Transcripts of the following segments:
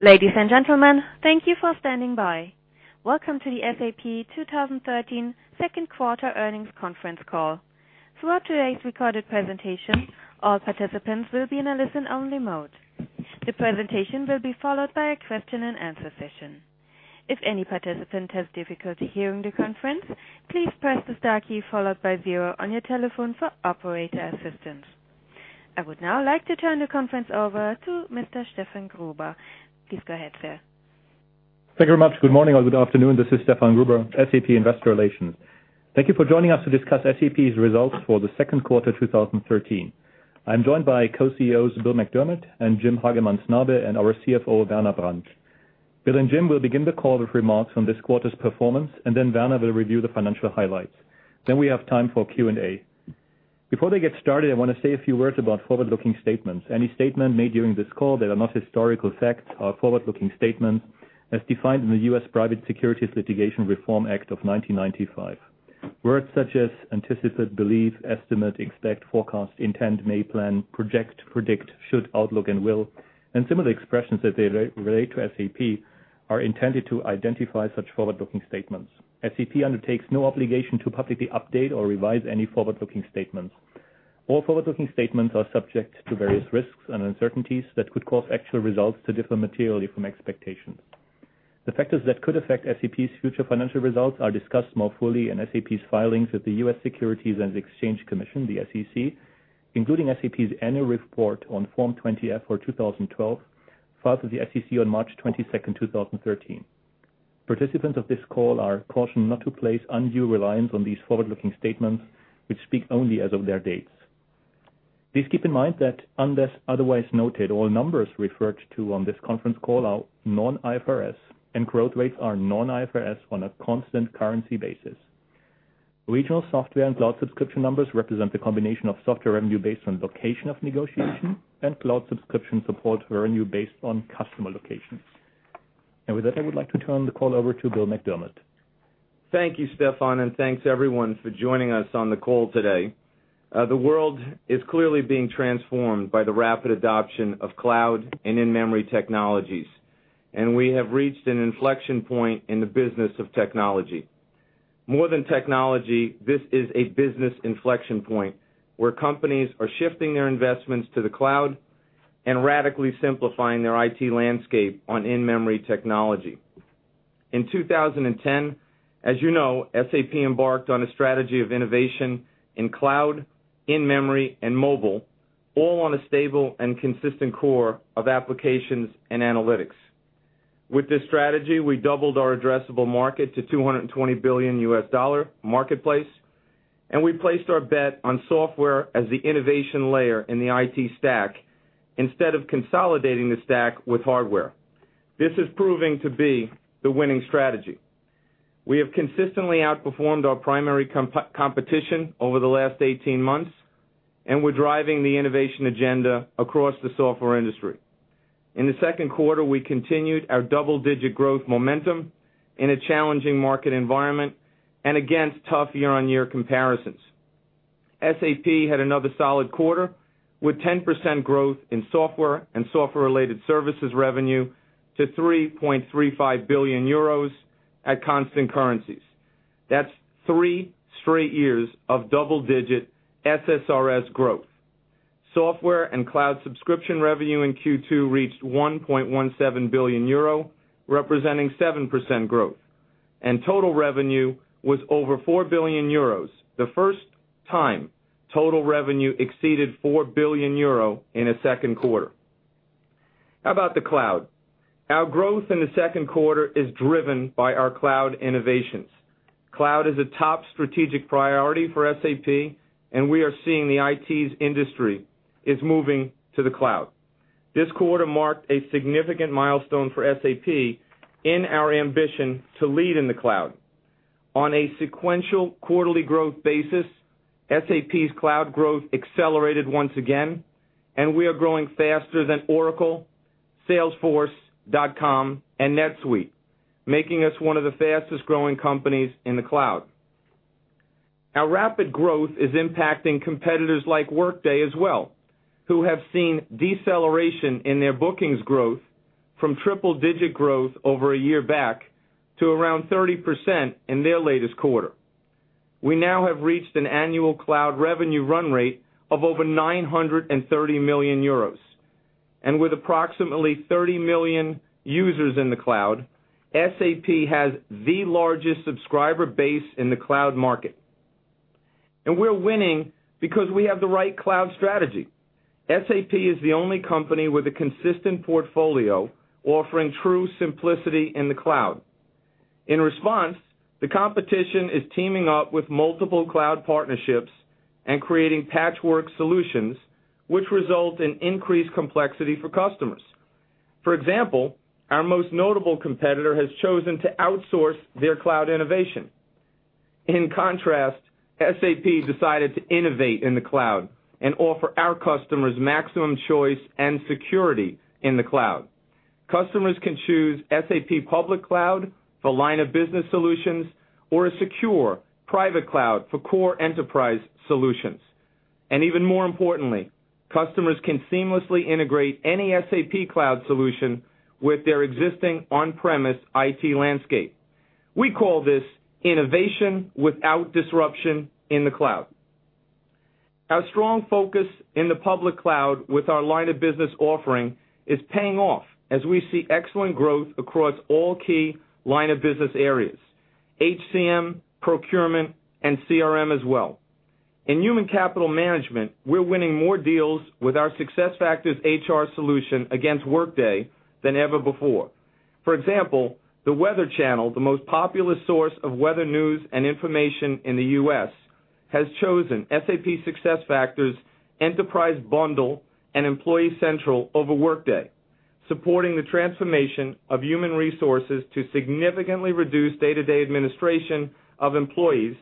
Ladies and gentlemen, thank you for standing by. Welcome to the SAP 2013 second quarter earnings conference call. Throughout today's recorded presentation, all participants will be in a listen-only mode. The presentation will be followed by a question and answer session. If any participant has difficulty hearing the conference, please press the star key followed by zero on your telephone for operator assistance. I would now like to turn the conference over to Mr. Stefan Gruber. Please go ahead, sir. Thank you very much. Good morning or good afternoon. This is Stefan Gruber, SAP Investor Relations. Thank you for joining us to discuss SAP's results for the second quarter 2013. I am joined by co-CEOs Bill McDermott and Jim Hagemann Snabe, and our CFO, Werner Brandt. Bill and Jim will begin the call with remarks on this quarter's performance. Werner will review the financial highlights. Then we have time for Q&A. Before they get started, I want to say a few words about forward-looking statements. Any statement made during this call that are not historical facts are forward-looking statements as defined in the U.S. Private Securities Litigation Reform Act of 1995. Words such as anticipate, believe, estimate, expect, forecast, intend, may, plan, project, predict, should, outlook, and will, and similar expressions as they relate to SAP, are intended to identify such forward-looking statements. SAP undertakes no obligation to publicly update or revise any forward-looking statements. All forward-looking statements are subject to various risks and uncertainties that could cause actual results to differ materially from expectations. The factors that could affect SAP's future financial results are discussed more fully in SAP's filings with the U.S. Securities and Exchange Commission, the SEC, including SAP's annual report on Form 20-F for 2012, filed with the SEC on March 22nd, 2013. Participants of this call are cautioned not to place undue reliance on these forward-looking statements, which speak only as of their dates. Please keep in mind that, unless otherwise noted, all numbers referred to on this conference call are non-IFRS, and growth rates are non-IFRS on a constant currency basis. Regional software and cloud subscription numbers represent the combination of software revenue based on location of negotiation and cloud subscription support revenue based on customer locations. With that, I would like to turn the call over to Bill McDermott. Thank you, Stefan, and thanks everyone for joining us on the call today. The world is clearly being transformed by the rapid adoption of cloud and in-memory technologies, and we have reached an inflection point in the business of technology. More than technology, this is a business inflection point, where companies are shifting their investments to the cloud and radically simplifying their IT landscape on in-memory technology. In 2010, as you know, SAP embarked on a strategy of innovation in cloud, in-memory, and mobile, all on a stable and consistent core of applications and analytics. With this strategy, we doubled our addressable market to a $220 billion US dollar marketplace, and we placed our bet on software as the innovation layer in the IT stack instead of consolidating the stack with hardware. This is proving to be the winning strategy. We have consistently outperformed our primary competition over the last 18 months. We're driving the innovation agenda across the software industry. In the second quarter, we continued our double-digit growth momentum in a challenging market environment and against tough year-on-year comparisons. SAP had another solid quarter, with 10% growth in Software and Software-Related Services revenue to €3.35 billion at constant currencies. That's three straight years of double-digit SSRS growth. Software and cloud subscription revenue in Q2 reached €1.17 billion, representing 7% growth. Total revenue was over €4 billion, the first time total revenue exceeded €4 billion in a second quarter. How about the cloud? Our growth in the second quarter is driven by our cloud innovations. Cloud is a top strategic priority for SAP. We are seeing the IT industry is moving to the cloud. This quarter marked a significant milestone for SAP in our ambition to lead in the cloud. On a sequential quarterly growth basis, SAP's cloud growth accelerated once again. We are growing faster than Oracle, salesforce.com, and NetSuite, making us one of the fastest-growing companies in the cloud. Our rapid growth is impacting competitors like Workday as well, who have seen deceleration in their bookings growth from triple-digit growth over a year back to around 30% in their latest quarter. We now have reached an annual cloud revenue run rate of over €930 million. With approximately 30 million users in the cloud, SAP has the largest subscriber base in the cloud market. We're winning because we have the right cloud strategy. SAP is the only company with a consistent portfolio offering true simplicity in the cloud. In response, the competition is teaming up with multiple cloud partnerships and creating patchwork solutions, which result in increased complexity for customers. For example, our most notable competitor has chosen to outsource their cloud innovation. In contrast, SAP decided to innovate in the cloud and offer our customers maximum choice and security in the cloud. Customers can choose SAP Public Cloud for line of business solutions or a secure, private cloud for core enterprise solutions. Even more importantly, customers can seamlessly integrate any SAP cloud solution with their existing on-premise IT landscape. We call this innovation without disruption in the cloud. Our strong focus in the public cloud with our line of business offering is paying off as we see excellent growth across all key line of business areas, HCM, procurement, and CRM as well. In human capital management, we are winning more deals with our SuccessFactors HR solution against Workday than ever before. For example, The Weather Channel, the most popular source of weather news and information in the U.S., has chosen SAP SuccessFactors Enterprise Bundle and Employee Central over Workday, supporting the transformation of human resources to significantly reduce day-to-day administration of employees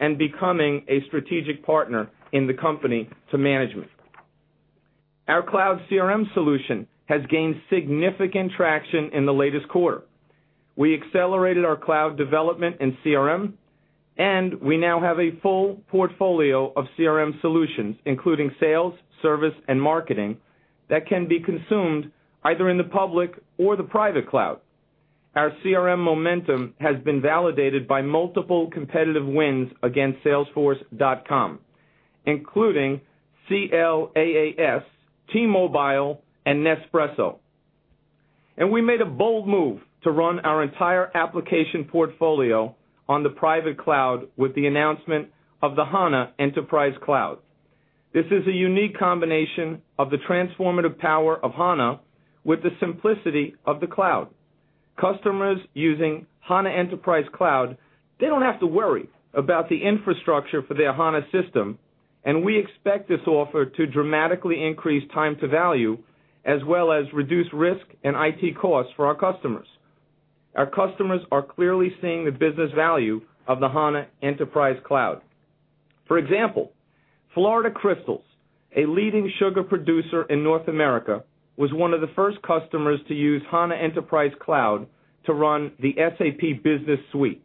and becoming a strategic partner in the company to management. Our cloud CRM solution has gained significant traction in the latest quarter. We accelerated our cloud development in CRM, and we now have a full portfolio of CRM solutions, including sales, service, and marketing that can be consumed either in the public or the private cloud. Our CRM momentum has been validated by multiple competitive wins against salesforce.com, including CLAAS, T-Mobile, and Nespresso. We made a bold move to run our entire application portfolio on the private cloud with the announcement of the HANA Enterprise Cloud. This is a unique combination of the transformative power of HANA with the simplicity of the cloud. Customers using HANA Enterprise Cloud, they do not have to worry about the infrastructure for their HANA system, and we expect this offer to dramatically increase time to value, as well as reduce risk and IT costs for our customers. Our customers are clearly seeing the business value of the HANA Enterprise Cloud. For example, Florida Crystals, a leading sugar producer in North America, was one of the first customers to use HANA Enterprise Cloud to run the SAP Business Suite.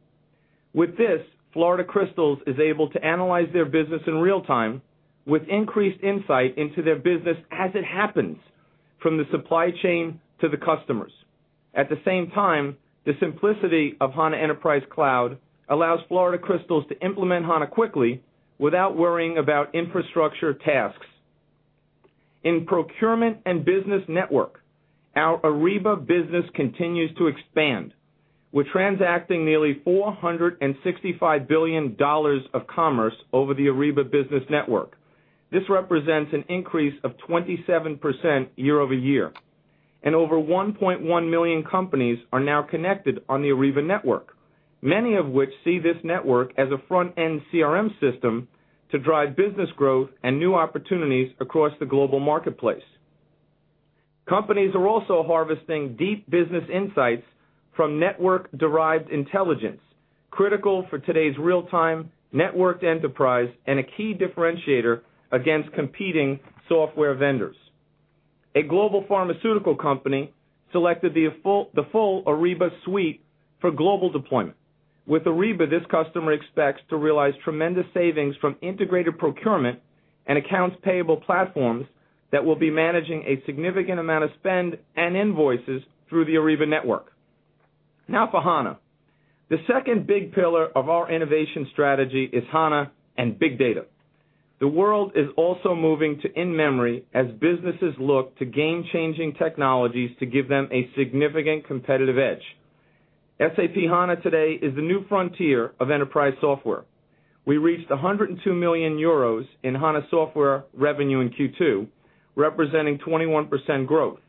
With this, Florida Crystals is able to analyze their business in real time with increased insight into their business as it happens, from the supply chain to the customers. At the same time, the simplicity of HANA Enterprise Cloud allows Florida Crystals to implement HANA quickly without worrying about infrastructure tasks. In procurement and business network, our Ariba business continues to expand. We are transacting nearly EUR 465 billion of commerce over the Ariba business network. This represents an increase of 27% year-over-year, and over 1.1 million companies are now connected on the Ariba Network, many of which see this network as a front-end CRM system to drive business growth and new opportunities across the global marketplace. Companies are also harvesting deep business insights from network-derived intelligence, critical for today's real-time networked enterprise and a key differentiator against competing software vendors. A global pharmaceutical company selected the full Ariba suite for global deployment. With Ariba, this customer expects to realize tremendous savings from integrated procurement and accounts payable platforms that will be managing a significant amount of spend and invoices through the Ariba Network. Now for HANA. The second big pillar of our innovation strategy is HANA and big data. The world is also moving to in-memory as businesses look to game-changing technologies to give them a significant competitive edge. SAP HANA today is the new frontier of enterprise software. We reached 102 million euros in HANA software revenue in Q2, representing 21% growth.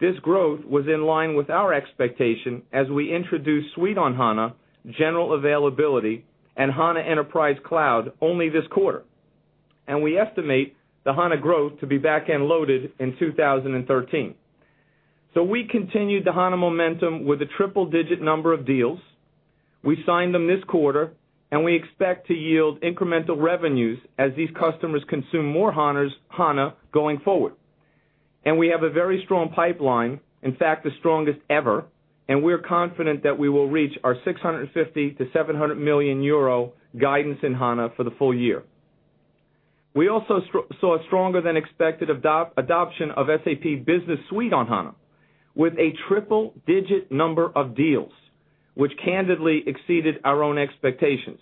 This growth was in line with our expectation as we introduced Suite on HANA, general availability, and HANA Enterprise Cloud only this quarter, and we estimate the HANA growth to be back-end loaded in 2013. We continued the HANA momentum with a triple-digit number of deals. We signed them this quarter, we expect to yield incremental revenues as these customers consume more SAP HANA going forward. We have a very strong pipeline, in fact, the strongest ever, and we are confident that we will reach our 650 million-700 million euro guidance in SAP HANA for the full year. We also saw stronger than expected adoption of SAP Business Suite on SAP HANA with a triple-digit number of deals, which candidly exceeded our own expectations.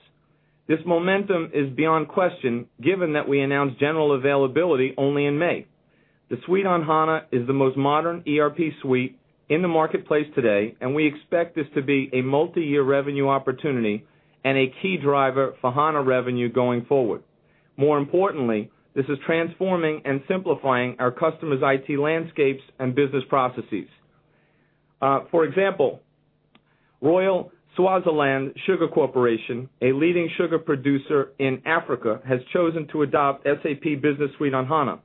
This momentum is beyond question, given that we announced general availability only in May. The Suite on HANA is the most modern ERP suite in the marketplace today, and we expect this to be a multi-year revenue opportunity and a key driver for SAP HANA revenue going forward. More importantly, this is transforming and simplifying our customers' IT landscapes and business processes. For example, Royal Swaziland Sugar Corporation, a leading sugar producer in Africa, has chosen to adopt SAP Business Suite on SAP HANA.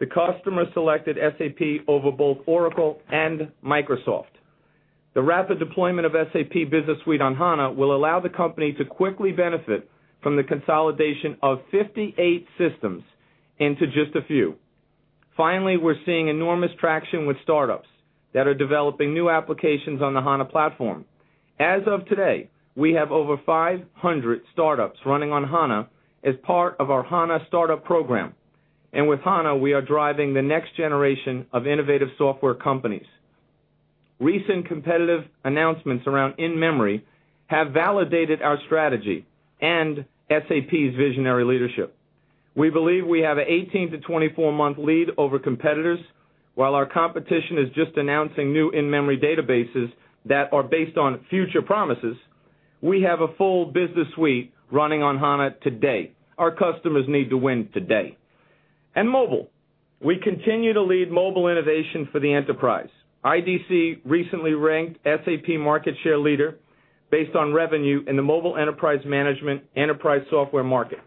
The customer selected SAP over both Oracle and Microsoft. The rapid deployment of SAP Business Suite on SAP HANA will allow the company to quickly benefit from the consolidation of 58 systems into just a few. Finally, we are seeing enormous traction with startups that are developing new applications on the SAP HANA platform. As of today, we have over 500 startups running on SAP HANA as part of our SAP HANA startup program. With SAP HANA, we are driving the next generation of innovative software companies. Recent competitive announcements around in-memory have validated our strategy and SAP's visionary leadership. We believe we have an 18-24-month lead over competitors. While our competition is just announcing new in-memory databases that are based on future promises, we have a full business suite running on SAP HANA today. Our customers need to win today. Mobile, we continue to lead mobile innovation for the enterprise. IDC recently ranked SAP market share leader based on revenue in the mobile enterprise management enterprise software market.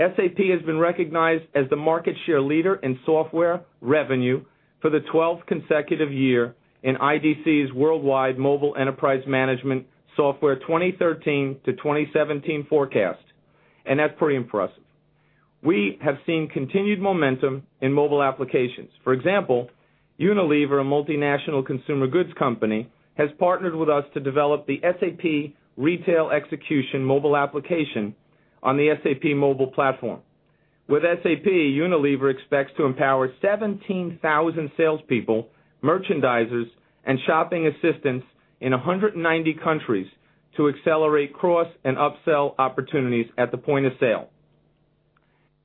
SAP has been recognized as the market share leader in software revenue for the 12th consecutive year in IDC's worldwide Mobile Enterprise Management Software 2013-2017 forecast, and that's pretty impressive. We have seen continued momentum in mobile applications. For example, Unilever, a multinational consumer goods company, has partnered with us to develop the SAP Retail Execution mobile application on the SAP Mobile Platform. With SAP, Unilever expects to empower 17,000 salespeople, merchandisers, and shopping assistants in 190 countries to accelerate cross and upsell opportunities at the point of sale.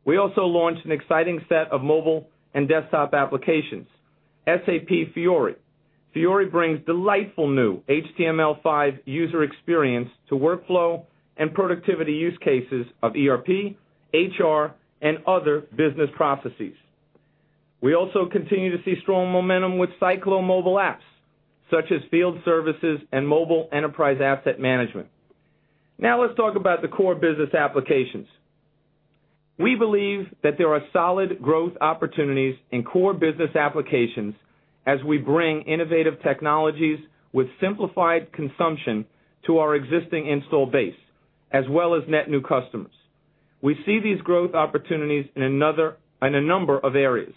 We also launched an exciting set of mobile and desktop applications, SAP Fiori. SAP Fiori brings delightful new HTML5 user experience to workflow and productivity use cases of ERP, HR, and other business processes. We also continue to see strong momentum with Syclo mobile apps, such as field services and mobile enterprise asset management. Now let's talk about the core business applications. We believe that there are solid growth opportunities in core business applications as we bring innovative technologies with simplified consumption to our existing install base, as well as net new customers. We see these growth opportunities in a number of areas.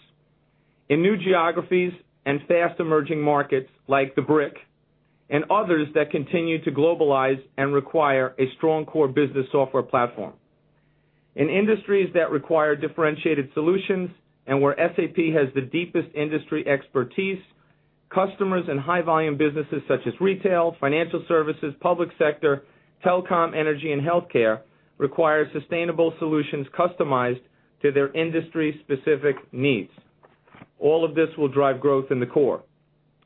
In new geographies and fast emerging markets like the BRIC and others that continue to globalize and require a strong core business software platform. In industries that require differentiated solutions and where SAP has the deepest industry expertise, customers in high volume businesses such as retail, financial services, public sector, telecom, energy, and healthcare require sustainable solutions customized to their industry-specific needs. All of this will drive growth in the core.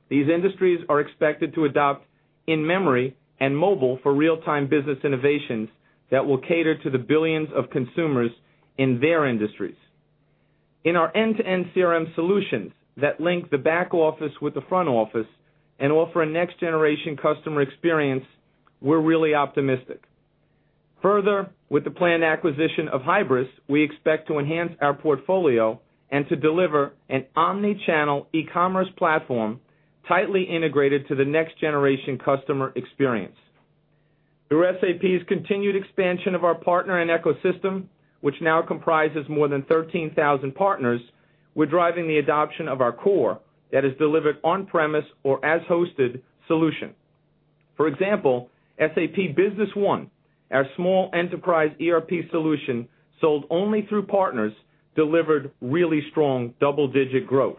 These industries are expected to adopt in-memory and mobile for real-time business innovations that will cater to the billions of consumers in their industries. In our end-to-end CRM solutions that link the back office with the front office and offer a next-generation customer experience, we're really optimistic. Further, with the planned acquisition of Hybris, we expect to enhance our portfolio and to deliver an omni-channel e-commerce platform tightly integrated to the next-generation customer experience. Through SAP's continued expansion of our partner and ecosystem, which now comprises more than 13,000 partners, we're driving the adoption of our core that is delivered on-premise or as hosted solution. For example, SAP Business One, our small enterprise ERP solution sold only through partners, delivered really strong double-digit growth.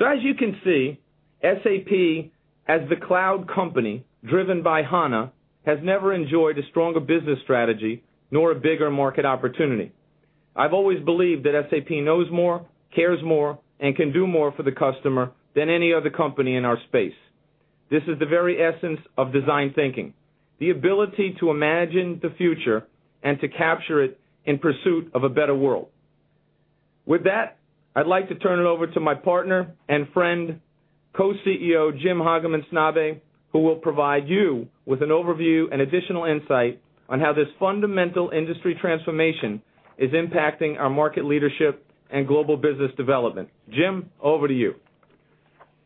As you can see, SAP as the cloud company driven by HANA, has never enjoyed a stronger business strategy nor a bigger market opportunity. I've always believed that SAP knows more, cares more, and can do more for the customer than any other company in our space. This is the very essence of design thinking, the ability to imagine the future and to capture it in pursuit of a better world. With that, I'd like to turn it over to my partner and friend, Co-CEO Jim Hagemann Snabe, who will provide you with an overview and additional insight on how this fundamental industry transformation is impacting our market leadership and global business development. Jim, over to you.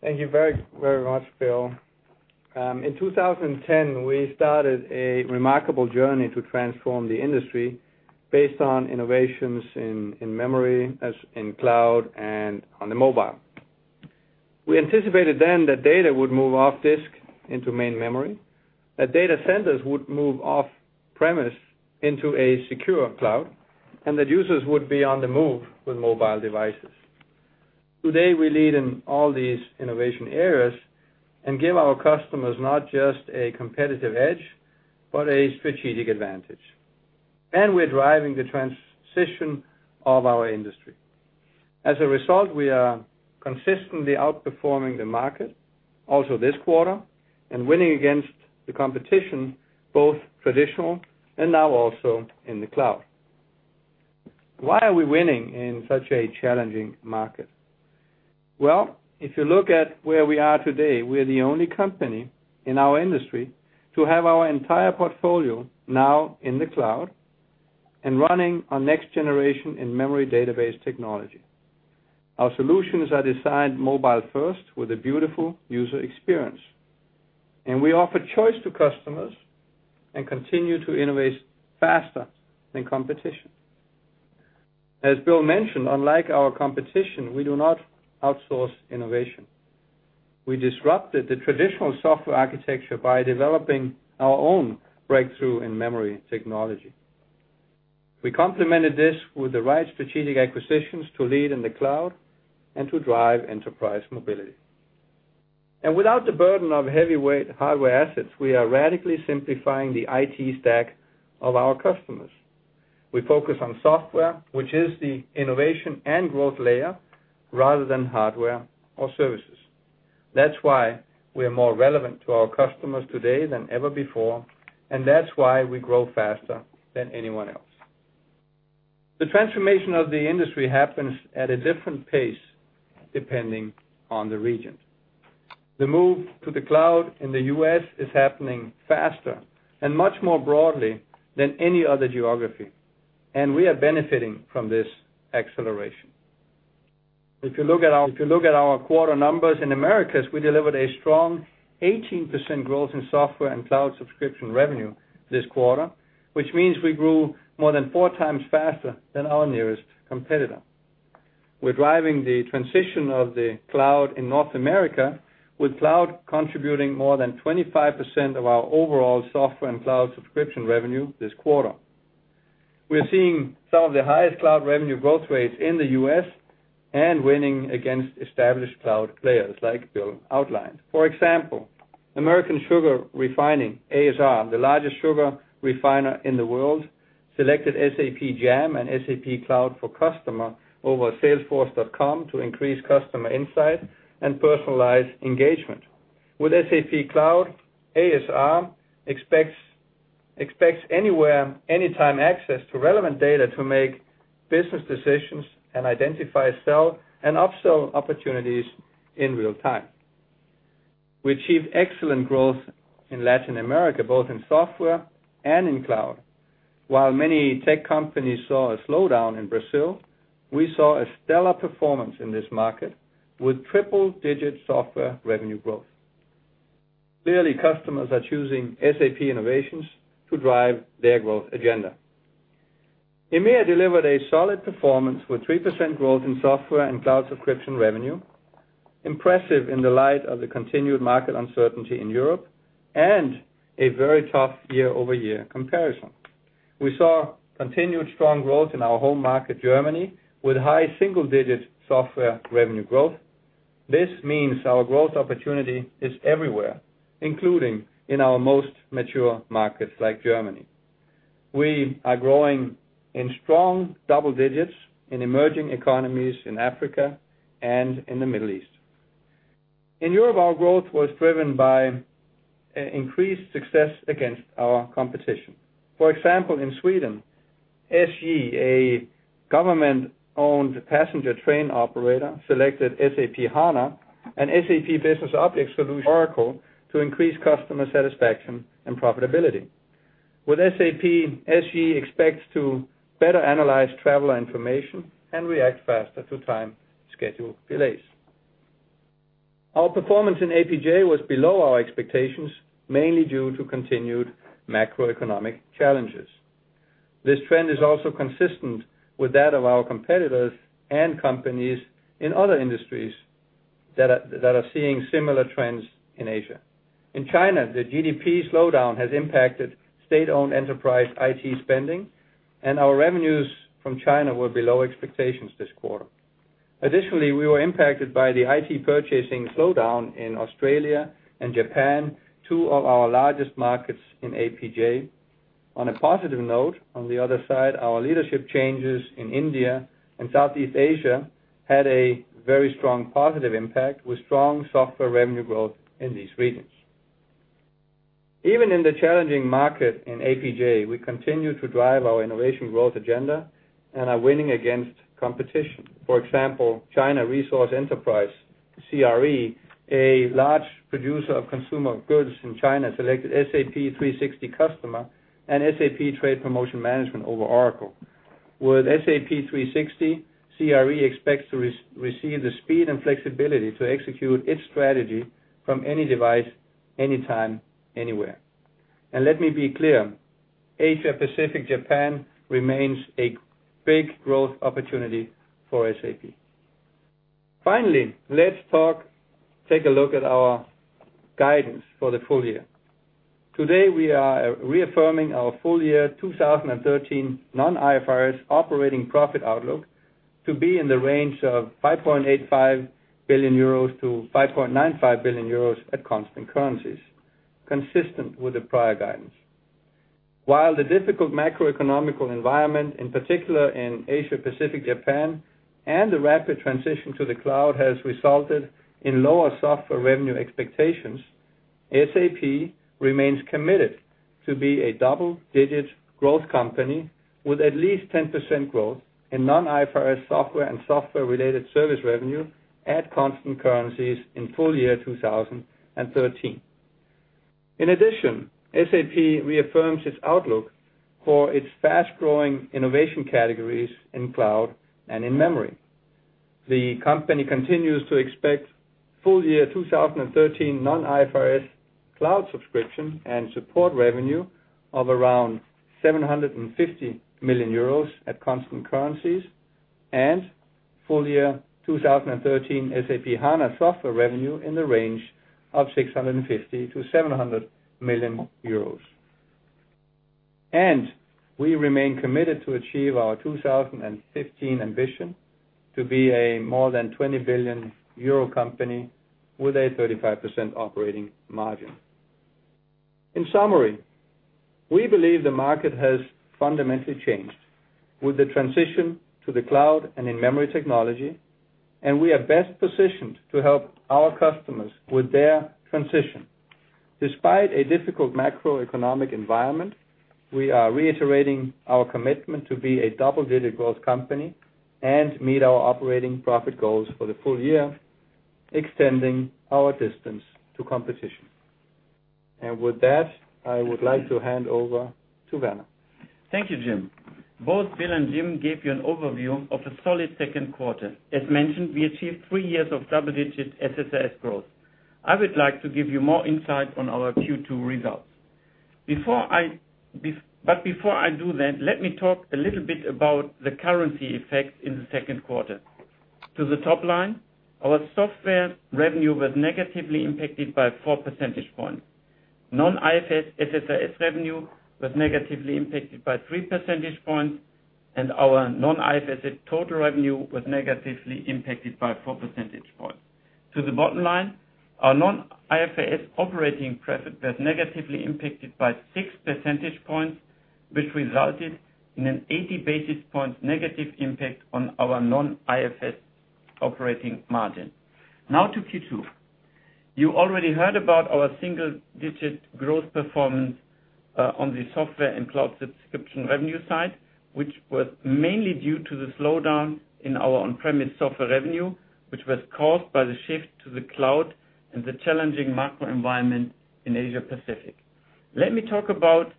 Thank you very much, Bill. In 2010, we started a remarkable journey to transform the industry based on innovations in memory, as in cloud, and on the mobile. We anticipated then that data would move off disk into main memory, that data centers would move off premise into a secure cloud, and that users would be on the move with mobile devices. Today, we lead in all these innovation areas and give our customers not just a competitive edge, but a strategic advantage. We're driving the transition of our industry. As a result, we are consistently outperforming the market, also this quarter, and winning against the competition, both traditional and now also in the cloud. Why are we winning in such a challenging market? Well, if you look at where we are today, we are the only company in our industry to have our entire portfolio now in the cloud and running on next generation in-memory database technology. Our solutions are designed mobile first with a beautiful user experience. We offer choice to customers and continue to innovate faster than competition. As Bill mentioned, unlike our competition, we do not outsource innovation. We disrupted the traditional software architecture by developing our own breakthrough in-memory technology. We complemented this with the right strategic acquisitions to lead in the cloud and to drive enterprise mobility. Without the burden of heavyweight hardware assets, we are radically simplifying the IT stack of our customers. We focus on software, which is the innovation and growth layer, rather than hardware or services. That's why we are more relevant to our customers today than ever before, that's why we grow faster than anyone else. The transformation of the industry happens at a different pace depending on the region. The move to the cloud in the U.S. is happening faster and much more broadly than any other geography, we are benefiting from this acceleration. If you look at our quarter numbers in Americas, we delivered a strong 18% growth in software and cloud subscription revenue this quarter, which means we grew more than four times faster than our nearest competitor. We're driving the transition of the cloud in North America, with cloud contributing more than 25% of our overall software and cloud subscription revenue this quarter. We're seeing some of the highest cloud revenue growth rates in the U.S. and winning against established cloud players, like Bill outlined. For example, American Sugar Refining, ASR, the largest sugar refiner in the world, selected SAP Jam and SAP Cloud for Customer over salesforce.com to increase customer insight and personalize engagement. With SAP Cloud, ASR expects anywhere, anytime access to relevant data to make business decisions and identify sell and upsell opportunities in real time. We achieved excellent growth in Latin America, both in software and in cloud. While many tech companies saw a slowdown in Brazil, we saw a stellar performance in this market with triple-digit software revenue growth. Clearly, customers are choosing SAP innovations to drive their growth agenda. EMEA delivered a solid performance with 3% growth in software and cloud subscription revenue. Impressive in the light of the continued market uncertainty in Europe and a very tough year-over-year comparison. We saw continued strong growth in our home market, Germany, with high single-digit software revenue growth. This means our growth opportunity is everywhere, including in our most mature markets like Germany. We are growing in strong double digits in emerging economies in Africa and in the Middle East. In Europe, our growth was driven by increased success against our competition. For example, in Sweden, SJ, a government-owned passenger train operator, selected SAP HANA and SAP Business Objects solutions Oracle to increase customer satisfaction and profitability. With SAP, SJ expects to better analyze traveler information and react faster to time schedule delays. Our performance in APJ was below our expectations, mainly due to continued macroeconomic challenges. This trend is also consistent with that of our competitors and companies in other industries that are seeing similar trends in Asia. In China, the GDP slowdown has impacted state-owned enterprise IT spending, our revenues from China were below expectations this quarter. Additionally, we were impacted by the IT purchasing slowdown in Australia and Japan, two of our largest markets in APJ. On a positive note, on the other side, our leadership changes in India and Southeast Asia had a very strong positive impact, with strong software revenue growth in these regions. Even in the challenging market in APJ, we continue to drive our innovation growth agenda and are winning against competition. For example, China Resources Enterprise, CRE, a large producer of consumer goods in China, selected SAP 360 Customer and SAP Trade Promotion Management over Oracle. With SAP 360, CRE expects to receive the speed and flexibility to execute its strategy from any device, anytime, anywhere. Let me be clear, Asia-Pacific Japan remains a big growth opportunity for SAP. Finally, let's take a look at our guidance for the full year. Today, we are reaffirming our full year 2013 non-IFRS operating profit outlook to be in the range of 5.85 billion-5.95 billion euros at constant currencies, consistent with the prior guidance. While the difficult macroeconomic environment, in particular in Asia-Pacific Japan, and the rapid transition to the cloud has resulted in lower software revenue expectations, SAP remains committed to be a double-digit growth company with at least 10% growth in non-IFRS software and software-related services revenue at constant currencies in full year 2013. In addition, SAP reaffirms its outlook for its fast-growing innovation categories in cloud and in-memory. The company continues to expect full year 2013 non-IFRS cloud subscription and support revenue of around 750 million euros at constant currencies, and full year 2013 SAP HANA software revenue in the range of 650 million-700 million euros. We remain committed to achieve our 2015 ambition to be a more than 20 billion euro company with a 35% operating margin. In summary, we believe the market has fundamentally changed with the transition to the cloud and in-memory technology, and we are best positioned to help our customers with their transition. Despite a difficult macroeconomic environment, we are reiterating our commitment to be a double-digit growth company and meet our operating profit goals for the full year, extending our distance to competition. With that, I would like to hand over to Werner. Thank you, Jim. Both Bill and Jim gave you an overview of a solid second quarter. As mentioned, we achieved three years of double-digit SSRS growth. I would like to give you more insight on our Q2 results. Before I do that, let me talk a little bit about the currency effect in the second quarter. To the top line, our software revenue was negatively impacted by four percentage points. Non-IFRS SSRS revenue was negatively impacted by three percentage points, and our non-IFRS total revenue was negatively impacted by four percentage points. To the bottom line, our non-IFRS operating profit was negatively impacted by six percentage points, which resulted in an 80 basis point negative impact on our non-IFRS operating margin. Now to Q2. You already heard about our single-digit growth performance on the software and cloud subscription revenue side, which was mainly due to the slowdown in our on-premise software revenue, which was caused by the shift to the cloud and the challenging macro environment in Asia Pacific. Let me talk about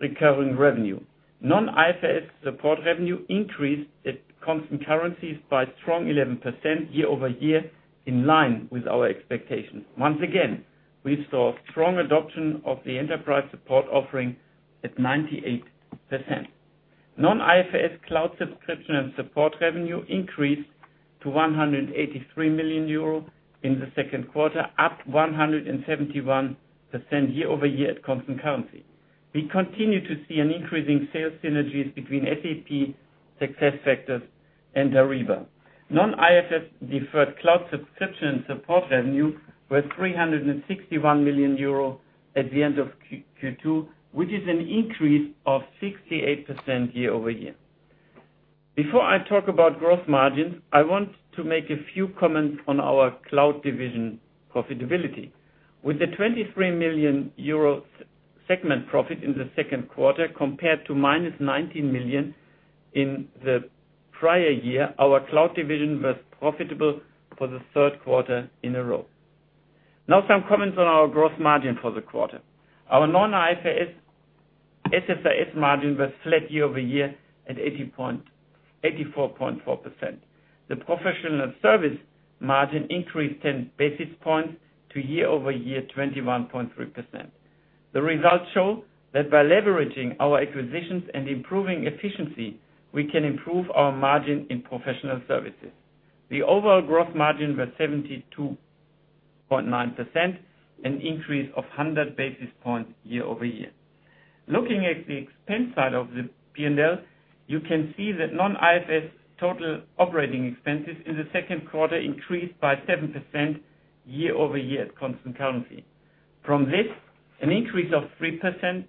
recurring revenue. Non-IFRS support revenue increased at constant currencies by strong 11% year-over-year, in line with our expectations. Once again, we saw strong adoption of the SAP Enterprise Support offering at 98%. Non-IFRS cloud subscription and support revenue increased to 183 million euro in the second quarter, up 171% year-over-year at constant currency. We continue to see an increase in sales synergies between SAP, SuccessFactors, and Ariba. Non-IFRS deferred cloud subscription and support revenue were 361 million euro at the end of Q2, which is an increase of 68% year-over-year. Before I talk about gross margins, I want to make a few comments on our cloud division profitability. With the 23 million euro segment profit in the second quarter compared to -19 million in the prior year, our cloud division was profitable for the third quarter in a row. Now some comments on our gross margin for the quarter. Our non-IFRS SSRS margin was flat year-over-year at 84.4%. The professional service margin increased 10 basis points to year-over-year 21.3%. The results show that by leveraging our acquisitions and improving efficiency, we can improve our margin in professional services. The overall gross margin was 72.9%, an increase of 100 basis points year-over-year. Looking at the expense side of the P&L, you can see that non-IFRS total operating expenses in the second quarter increased by 7% year-over-year at constant currency. From this, an increase of 3 percentage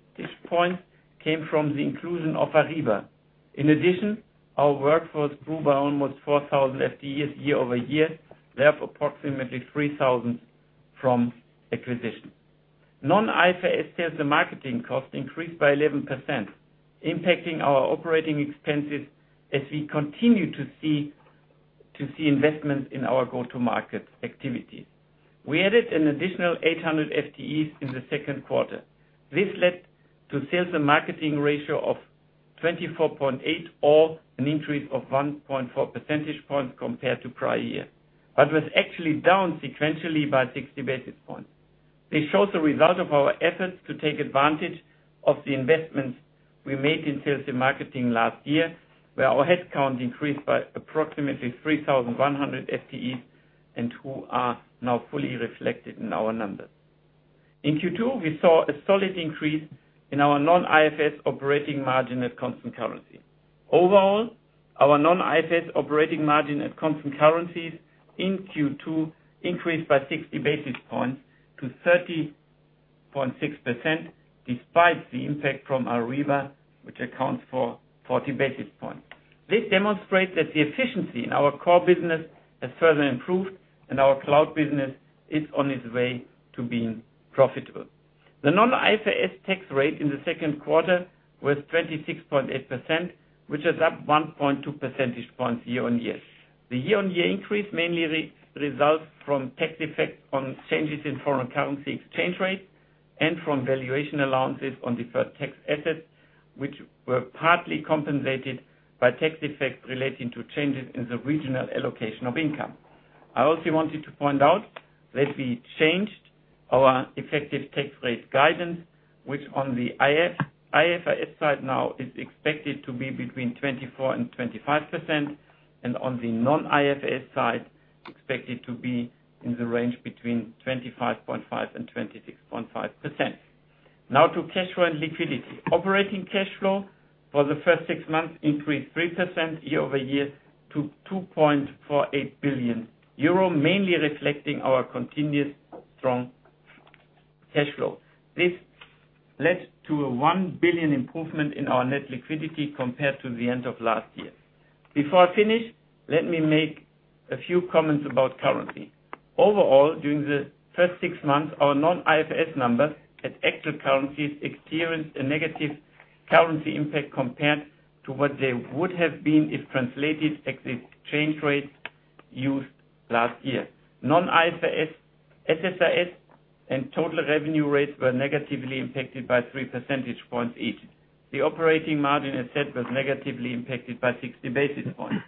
points came from the inclusion of Ariba. In addition, our workforce grew by almost 4,000 FTEs year-over-year, thereof, approximately 3,000 from acquisition. Non-IFRS sales and marketing costs increased by 11%, impacting our operating expenses as we continue to see investments in our go-to market activities. We added an additional 800 FTEs in the second quarter. This led to sales and marketing ratio of 24.8% or an increase of 1.4 percentage points compared to prior year, but was actually down sequentially by 60 basis points. This shows the result of our efforts to take advantage of the investments we made in sales and marketing last year, where our headcount increased by approximately 3,100 FTEs and who are now fully reflected in our numbers. In Q2, we saw a solid increase in our non-IFRS operating margin at constant currency. Overall, our non-IFRS operating margin at constant currencies in Q2 increased by 60 basis points to 30.6%, despite the impact from Ariba, which accounts for 40 basis points. This demonstrates that the efficiency in our core business has further improved and our cloud business is on its way to being profitable. The non-IFRS tax rate in the second quarter was 26.8%, which is up 1.2 percentage points year-on-year. The year-on-year increase mainly results from tax effect on changes in foreign currency exchange rate. From valuation allowances on deferred tax assets, which were partly compensated by tax effects relating to changes in the regional allocation of income. I also wanted to point out that we changed our effective tax rate guidance, which on the IFRS side now is expected to be between 24%-25%, and on the non-IFRS side, expected to be in the range between 25.5%-26.5%. Now to cash flow and liquidity. Operating cash flow for the first six months increased 3% year-over-year to 2.48 billion euro, mainly reflecting our continuous strong cash flow. This led to a 1 billion improvement in our net liquidity compared to the end of last year. Before I finish, let me make a few comments about currency. Overall, during the first six months, our non-IFRS numbers at actual currencies experienced a negative currency impact compared to what they would have been if translated at the exchange rates used last year. Non-IFRS, SSRS, and total revenue rates were negatively impacted by three percentage points each. The operating margin, et cetera, was negatively impacted by 60 basis points.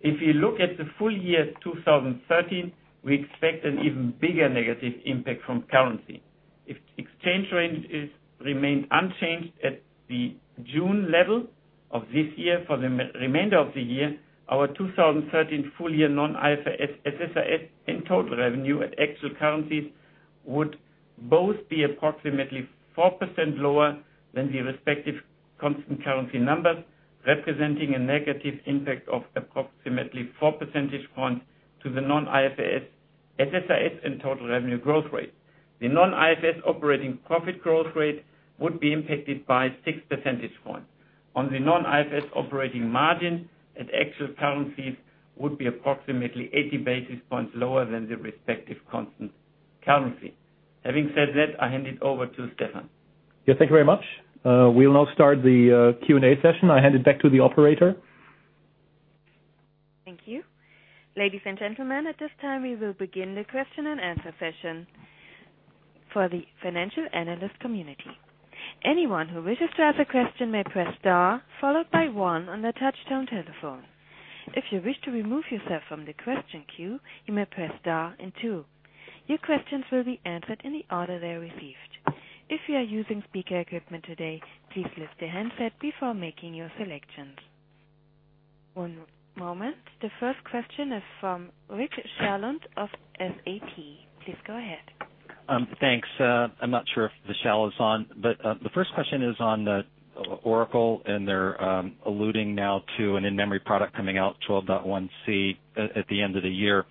If you look at the full year 2013, we expect an even bigger negative impact from currency. If exchange rates remain unchanged at the June level of this year for the remainder of the year, our 2013 full-year non-IFRS, SSRS, and total revenue at actual currencies would both be approximately 4% lower than the respective constant currency numbers, representing a negative impact of approximately four percentage points to the non-IFRS, SSRS, and total revenue growth rate. The non-IFRS operating profit growth rate would be impacted by six percentage points. The non-IFRS operating margin at actual currencies would be approximately 80 basis points lower than the respective constant currency. Having said that, I hand it over to Stefan. Yes, thank you very much. We'll now start the Q&A session. I hand it back to the operator. Thank you. Ladies and gentlemen, at this time we will begin the question and answer session for the financial analyst community. Anyone who wishes to ask a question may press star followed by one on their touchtone telephone. If you wish to remove yourself from the question queue, you may press star and two. Your questions will be answered in the order they are received. If you are using speaker equipment today, please lift the handset before making your selections. One moment. The first question is from Rick Sherlund of SAP. Please go ahead. Thanks. I'm not sure if Vishal is on, but the first question is on Oracle, and they're alluding now to an in-memory product coming out, 12.1c, at the end of the year.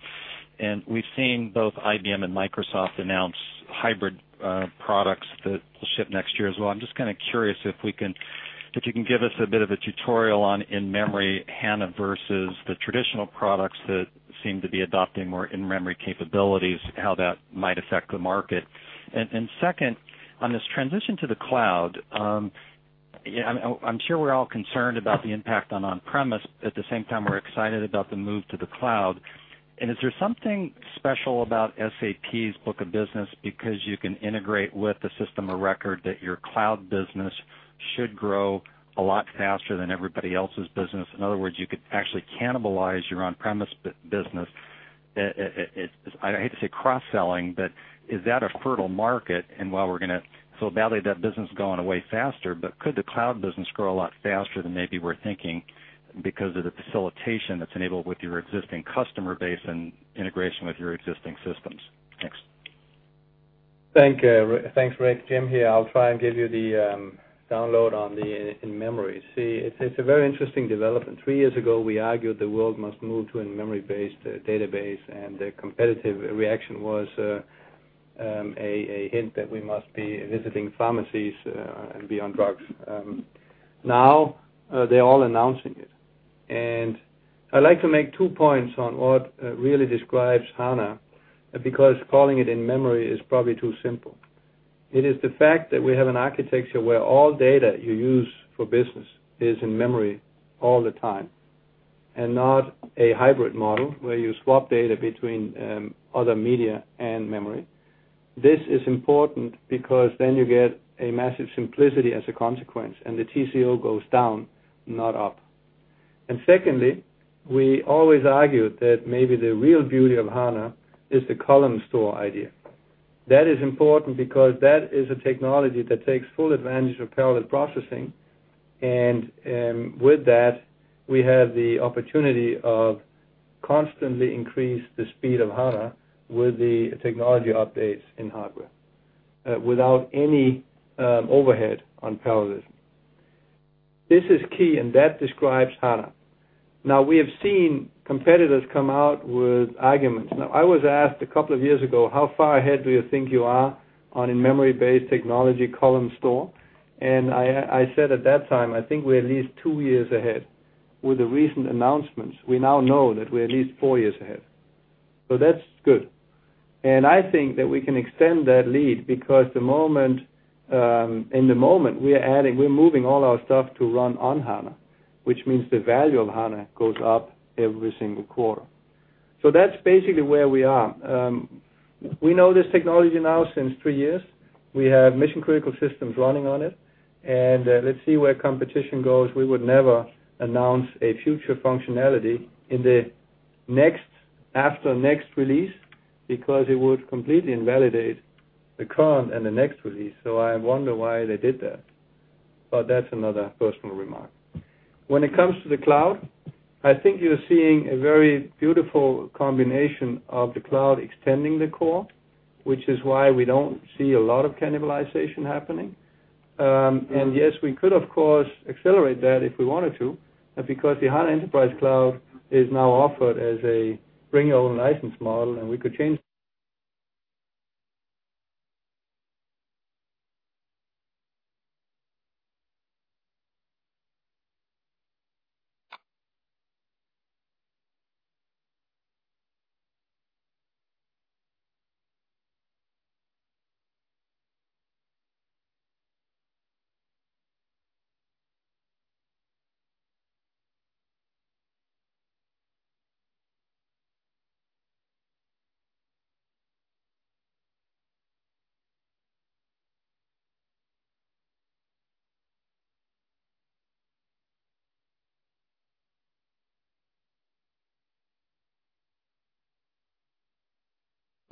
We've seen both IBM and Microsoft announce hybrid products that will ship next year as well. I'm just kind of curious if you can give us a bit of a tutorial on in-memory HANA versus the traditional products that seem to be adopting more in-memory capabilities, how that might affect the market. Second, on this transition to the cloud, I'm sure we're all concerned about the impact on on-premise. At the same time, we're excited about the move to the cloud. Is there something special about SAP's book of business because you can integrate with the system of record that your cloud business should grow a lot faster than everybody else's business? In other words, you could actually cannibalize your on-premise business. I hate to say cross-selling, but is that a fertile market? So badly that business is going away faster, but could the cloud business grow a lot faster than maybe we're thinking because of the facilitation that's enabled with your existing customer base and integration with your existing systems? Thanks. Thanks, Rick. Jim here. I'll try and give you the download on the in-memory. It's a very interesting development. Three years ago, we argued the world must move to in-memory-based database, and the competitive reaction was a hint that we must be visiting pharmacies and be on drugs. Now they're all announcing it. I'd like to make two points on what really describes HANA, because calling it in-memory is probably too simple. It is the fact that we have an architecture where all data you use for business is in memory all the time, and not a hybrid model where you swap data between other media and memory. This is important because then you get a massive simplicity as a consequence, and the TCO goes down, not up. Secondly, we always argued that maybe the real beauty of HANA is the column store idea. That is important because that is a technology that takes full advantage of parallel processing. With that, we have the opportunity of constantly increase the speed of HANA with the technology updates in hardware, without any overhead on parallelism. This is key, and that describes HANA. Now we have seen competitors come out with arguments. Now I was asked a couple of years ago, "How far ahead do you think you are on in-memory-based technology column store?" I said at that time, "I think we're at least two years ahead." With the recent announcements, we now know that we're at least four years ahead. That's good. I think that we can extend that lead because in the moment, we're moving all our stuff to run on HANA, which means the value of HANA goes up every single quarter. That's basically where we are. We know this technology now since three years. We have mission-critical systems running on it. Let's see where competition goes. We would never announce a future functionality in the after next release, because it would completely invalidate the current and the next release. I wonder why they did that. That's another personal remark. When it comes to the cloud, I think you're seeing a very beautiful combination of the cloud extending the core, which is why we don't see a lot of cannibalization happening. Yes, we could, of course, accelerate that if we wanted to, because the SAP HANA Enterprise Cloud is now offered as a bring your own license model,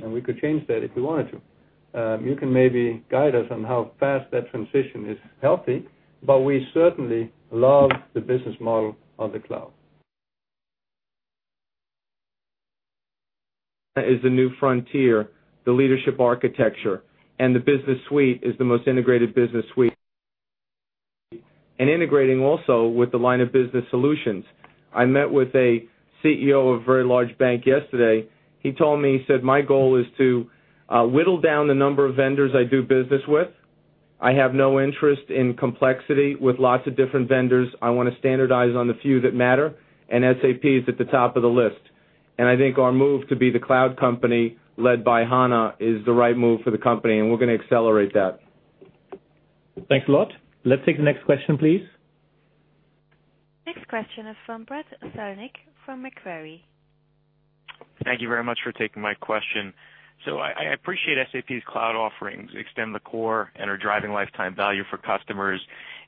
and we could change that if we wanted to. You can maybe guide us on how fast that transition is healthy, but we certainly love the business model of the cloud. The cloud is the new frontier, the leadership architecture, and the SAP Business Suite is the most integrated SAP Business Suite. Integrating also with the line of business solutions. I met with a CEO of a very large bank yesterday. He told me, he said, "My goal is to whittle down the number of vendors I do business with. I have no interest in complexity with lots of different vendors. I want to standardize on the few that matter, and SAP is at the top of the list." I think our move to be the cloud company led by SAP HANA is the right move for the company, and we're going to accelerate that. Thanks a lot. Let's take the next question, please. Next question is from [Brett Thurnik] from Macquarie. Thank you very much for taking my question. I appreciate SAP's cloud offerings extend the core and are driving lifetime value for customers.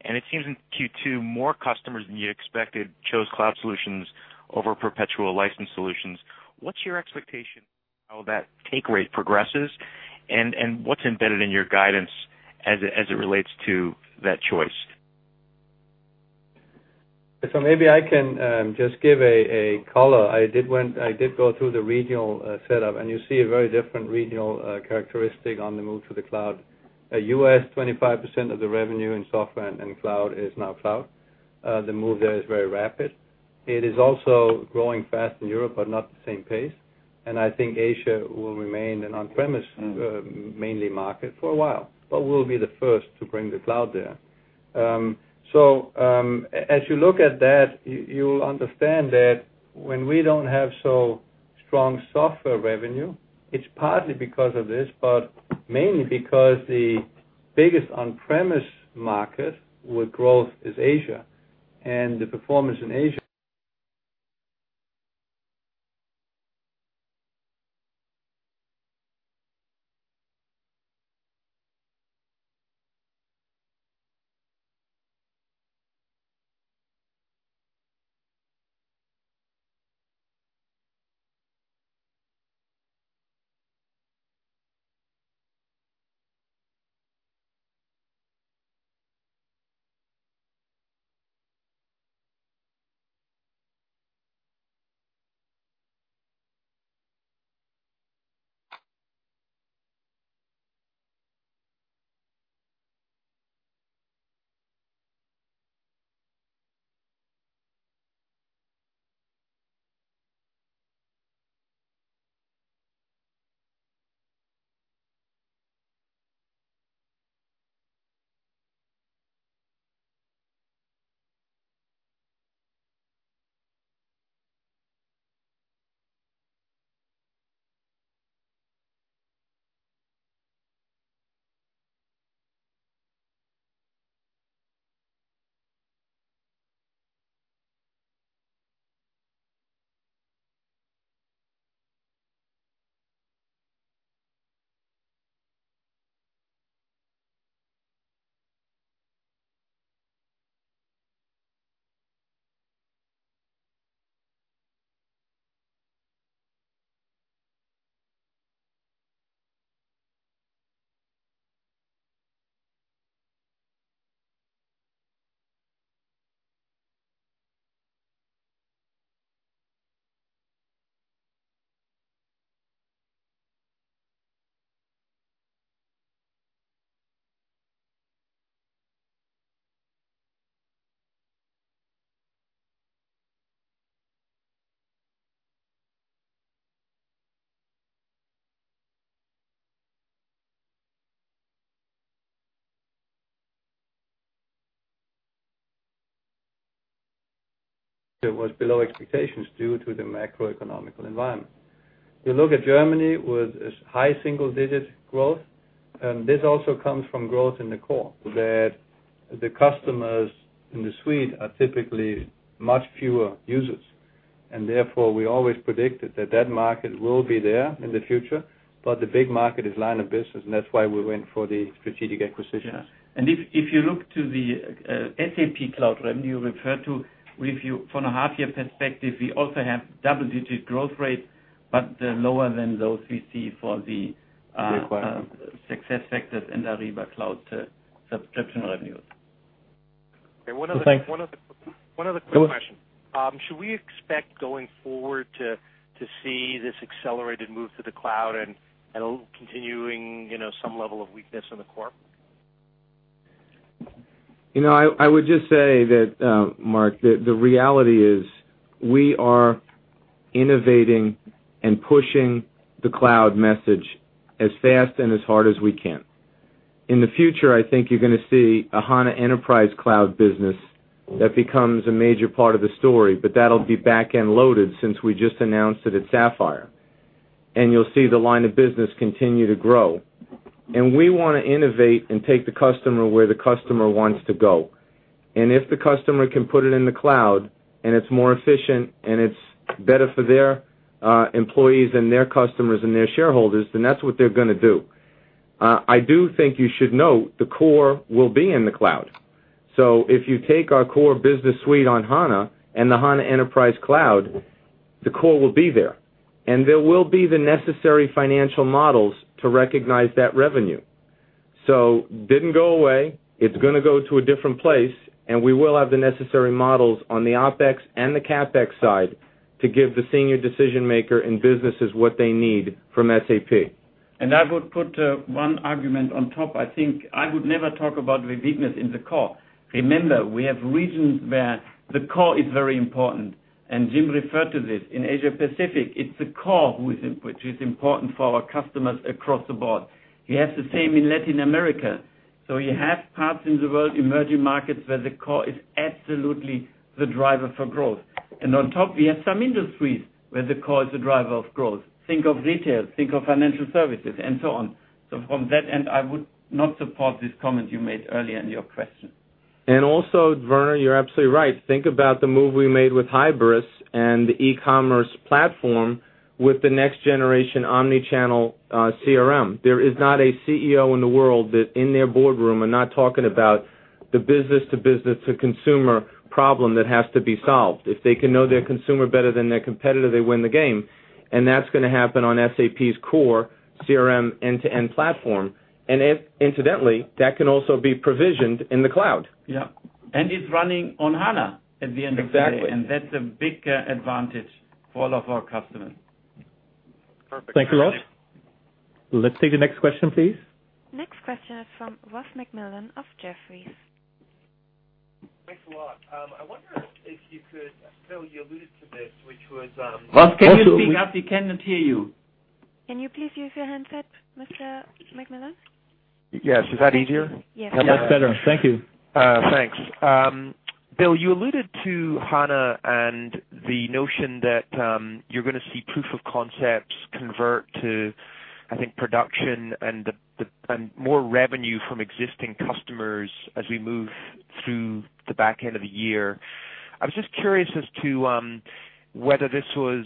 It seems in Q2, more customers than you expected chose cloud solutions over perpetual license solutions. What's your expectation how that take rate progresses? What's embedded in your guidance as it relates to that choice? Maybe I can just give a color. I did go through the regional setup, and you see a very different regional characteristic on the move to the cloud. U.S., 25% of the revenue in software and cloud is now cloud. The move there is very rapid. It is also growing fast in Europe, but not the same pace. I think Asia will remain an on-premise mainly market for a while, but we'll be the first to bring the cloud there. As you look at that, you'll understand that when we don't have so strong software revenue, it's partly because of this, but mainly because the biggest on-premise market with growth is Asia, and the performance in Asia was below expectations due to the macroeconomic environment. You look at Germany with its high single-digit growth, this also comes from growth in the core, that the customers in the suite are typically much fewer users, and therefore, we always predicted that market will be there in the future. The big market is line of business, and that's why we went for the strategic acquisitions. Yes. If you look to the SAP cloud revenue referred to with you from a half-year perspective, we also have double-digit growth rate, but lower than those we see for the Yes SuccessFactors and Ariba cloud subscription revenues. Okay, one other Thanks. One other quick question. [Go ahead.] Should we expect going forward to see this accelerated move to the cloud and continuing some level of weakness in the core? I would just say that, Mark, that the reality is we are innovating and pushing the cloud message as fast and as hard as we can. In the future, I think you're going to see a SAP HANA Enterprise Cloud business that becomes a major part of the story, but that'll be back-end loaded since we just announced it at SAP Sapphire. You'll see the line of business continue to grow. We want to innovate and take the customer where the customer wants to go. If the customer can put it in the cloud and it's more efficient and it's better for their employees and their customers and their shareholders, then that's what they're going to do. I do think you should note the core will be in the cloud. If you take our Suite on HANA and the SAP HANA Enterprise Cloud, the core will be there. There will be the necessary financial models to recognize that revenue. The core didn't go away. It's going to go to a different place, and we will have the necessary models on the OpEx and the CapEx side to give the senior decision maker in businesses what they need from SAP. I would put one argument on top. I think I would never talk about the weakness in the core. Remember, we have regions where the core is very important, and Jim referred to this. In Asia Pacific, it's the core which is important for our customers across the board. We have the same in Latin America. You have parts in the world, emerging markets, where the core is absolutely the driver for growth. On top, we have some industries where the core is the driver of growth. Think of retail, think of financial services, and so on. From that end, I would not support this comment you made earlier in your question. Werner, you're absolutely right. Think about the move we made with Hybris and the e-commerce platform with the next generation omni-channel CRM. There is not a CEO in the world that in their boardroom are not talking about the business-to-business-to-consumer problem that has to be solved. If they can know their consumer better than their competitor, they win the game, that's going to happen on SAP's core CRM end-to-end platform. Incidentally, that can also be provisioned in the cloud. Yeah. It's running on HANA at the end of the day. Exactly. That's a big advantage for all of our customers. Perfect. Thank you, Ross. Let's take the next question, please. Next question is from Ross MacMillan of Jefferies. Thanks a lot. I wonder if you could, Bill, you alluded to this. Ross, can you speak up? We cannot hear you. Can you please use your handset, Mr. MacMillan? Yes. Is that easier? Yes. That's better. Thank you. Thanks. Bill, you alluded to HANA and the notion that you're going to see proof of concepts convert to, I think, production and more revenue from existing customers as we move through the back end of the year. I was just curious as to whether this was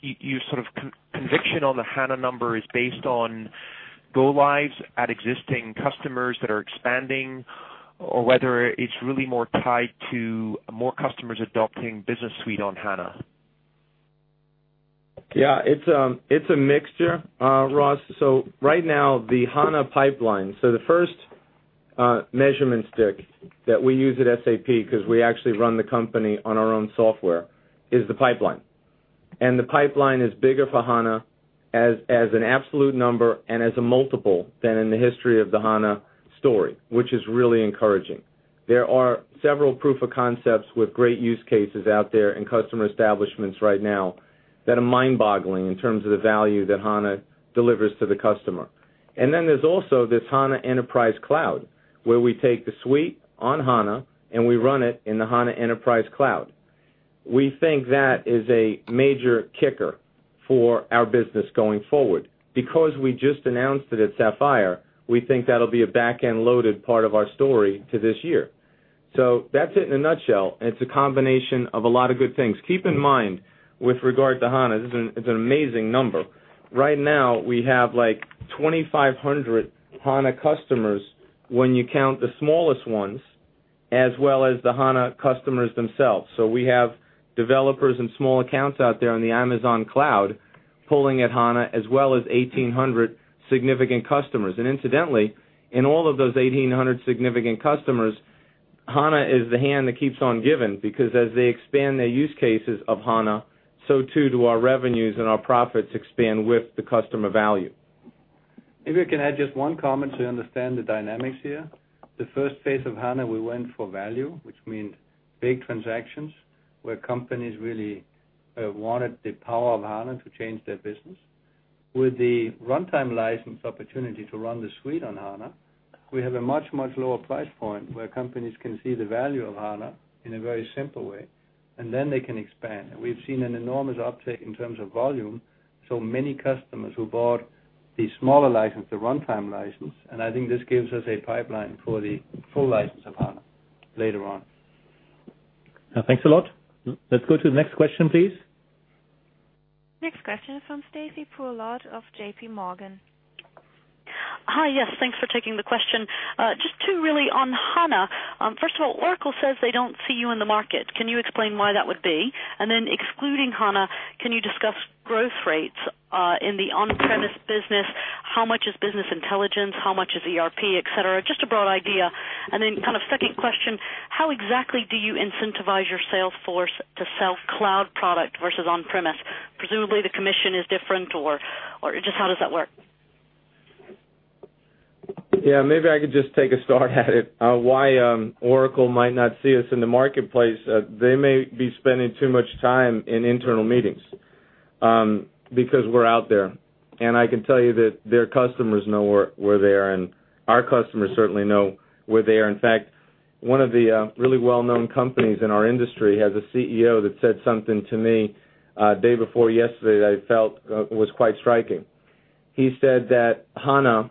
your sort of conviction on the HANA number is based on go lives at existing customers that are expanding, or whether it's really more tied to more customers adopting business Suite on HANA. Yeah. It's a mixture, Ross. Right now, the HANA pipeline. The first measurement stick that we use at SAP, because we actually run the company on our own software, is the pipeline. The pipeline is bigger for HANA as an absolute number and as a multiple than in the history of the HANA story, which is really encouraging. There are several proof of concepts with great use cases out there and customer establishments right now that are mind-boggling in terms of the value that HANA delivers to the customer. Then there's also this HANA Enterprise Cloud, where we take the Suite on HANA and we run it in the HANA Enterprise Cloud. We think that is a major kicker for our business going forward. We just announced it at Sapphire, we think that'll be a back-end loaded part of our story to this year. That's it in a nutshell. It's a combination of a lot of good things. Keep in mind, with regard to HANA, this is an amazing number. Right now, we have like 2,500 HANA customers when you count the smallest ones, as well as the HANA customers themselves. We have developers and small accounts out there on the Amazon cloud pulling at HANA, as well as 1,800 significant customers. Incidentally, in all of those 1,800 significant customers, HANA is the hand that keeps on giving, because as they expand their use cases of HANA, so too do our revenues and our profits expand with the customer value. If we can add just one comment to understand the dynamics here. The first phase of HANA, we went for value, which means big transactions, where companies really wanted the power of HANA to change their business. With the runtime license opportunity to run the Suite on HANA, we have a much, much lower price point where companies can see the value of HANA in a very simple way, and then they can expand. We've seen an enormous uptake in terms of volume. Many customers who bought the smaller license, the runtime license, and I think this gives us a pipeline for the full license of HANA later on. Thanks a lot. Let's go to the next question, please. Next question is from Stacy Pollard of JPMorgan. Hi. Yes, thanks for taking the question. Just two really on HANA. First of all, Oracle says they don't see you in the market. Can you explain why that would be? Excluding HANA, can you discuss growth rates, in the on-premise business? How much is business intelligence, how much is ERP, et cetera? Just a broad idea. Kind of second question, how exactly do you incentivize your sales force to sell cloud product versus on-premise? Presumably, the commission is different, or just how does that work? Maybe I could just take a start at it, why Oracle might not see us in the marketplace. They may be spending too much time in internal meetings, because we're out there. I can tell you that their customers know we're there, and our customers certainly know we're there. In fact, one of the really well-known companies in our industry has a CEO that said something to me, day before yesterday that I felt was quite striking. He said that HANA,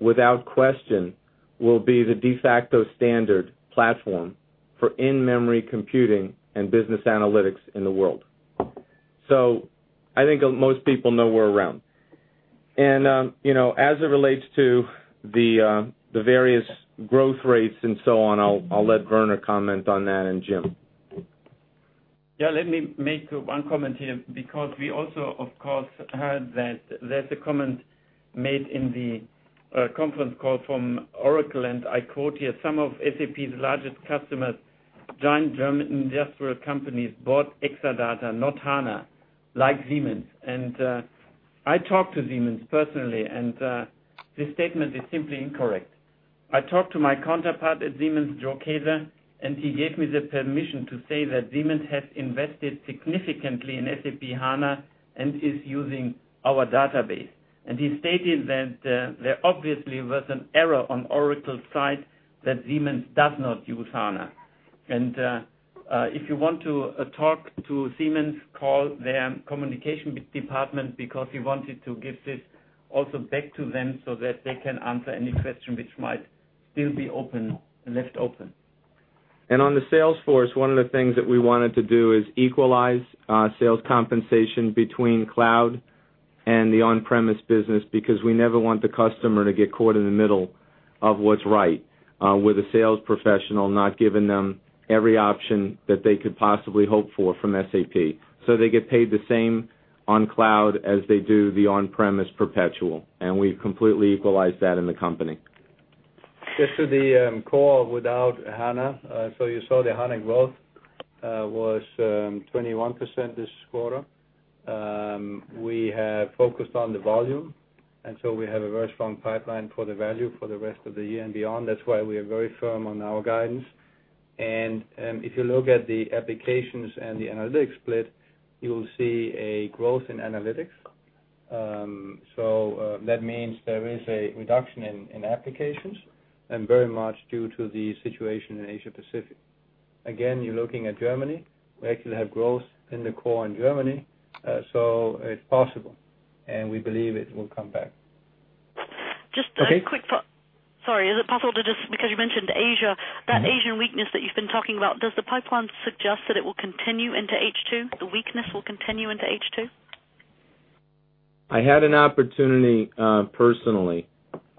without question, will be the de facto standard platform for in-memory computing and business analytics in the world. I think most people know we're around. As it relates to the various growth rates and so on, I'll let Werner comment on that, and Jim. Let me make one comment here, because we also, of course, heard that there's a comment made in the conference call from Oracle, and I quote here, "Some of SAP's largest customers, giant German industrial companies, bought Exadata, not HANA, like Siemens." I talked to Siemens personally, and this statement is simply incorrect. I talked to my counterpart at Siemens, Joe Kaeser, and he gave me the permission to say that Siemens has invested significantly in SAP HANA and is using our database. He stated that there obviously was an error on Oracle's side that Siemens does not use HANA. If you want to talk to Siemens, call their communication department because he wanted to give this also back to them so that they can answer any question which might still be left open. On the sales force, one of the things that we wanted to do is equalize sales compensation between cloud and the on-premise business, because we never want the customer to get caught in the middle of what's right, with a sales professional not giving them every option that they could possibly hope for from SAP. They get paid the same on cloud as they do the on-premise perpetual, and we've completely equalized that in the company. Just to the core without HANA. You saw the HANA growth was 21% this quarter. We have focused on the volume, we have a very strong pipeline for the value for the rest of the year and beyond. That's why we are very firm on our guidance. If you look at the applications and the analytics split, you'll see a growth in analytics. That means there is a reduction in applications and very much due to the situation in Asia Pacific. Again, you're looking at Germany. We actually have growth in the core in Germany. It's possible, and we believe it will come back. Just a quick thought. Okay. Sorry, is it possible to just, because you mentioned Asia, that Asian weakness that you've been talking about, does the pipeline suggest that it will continue into H2, the weakness will continue into H2? I had an opportunity, personally,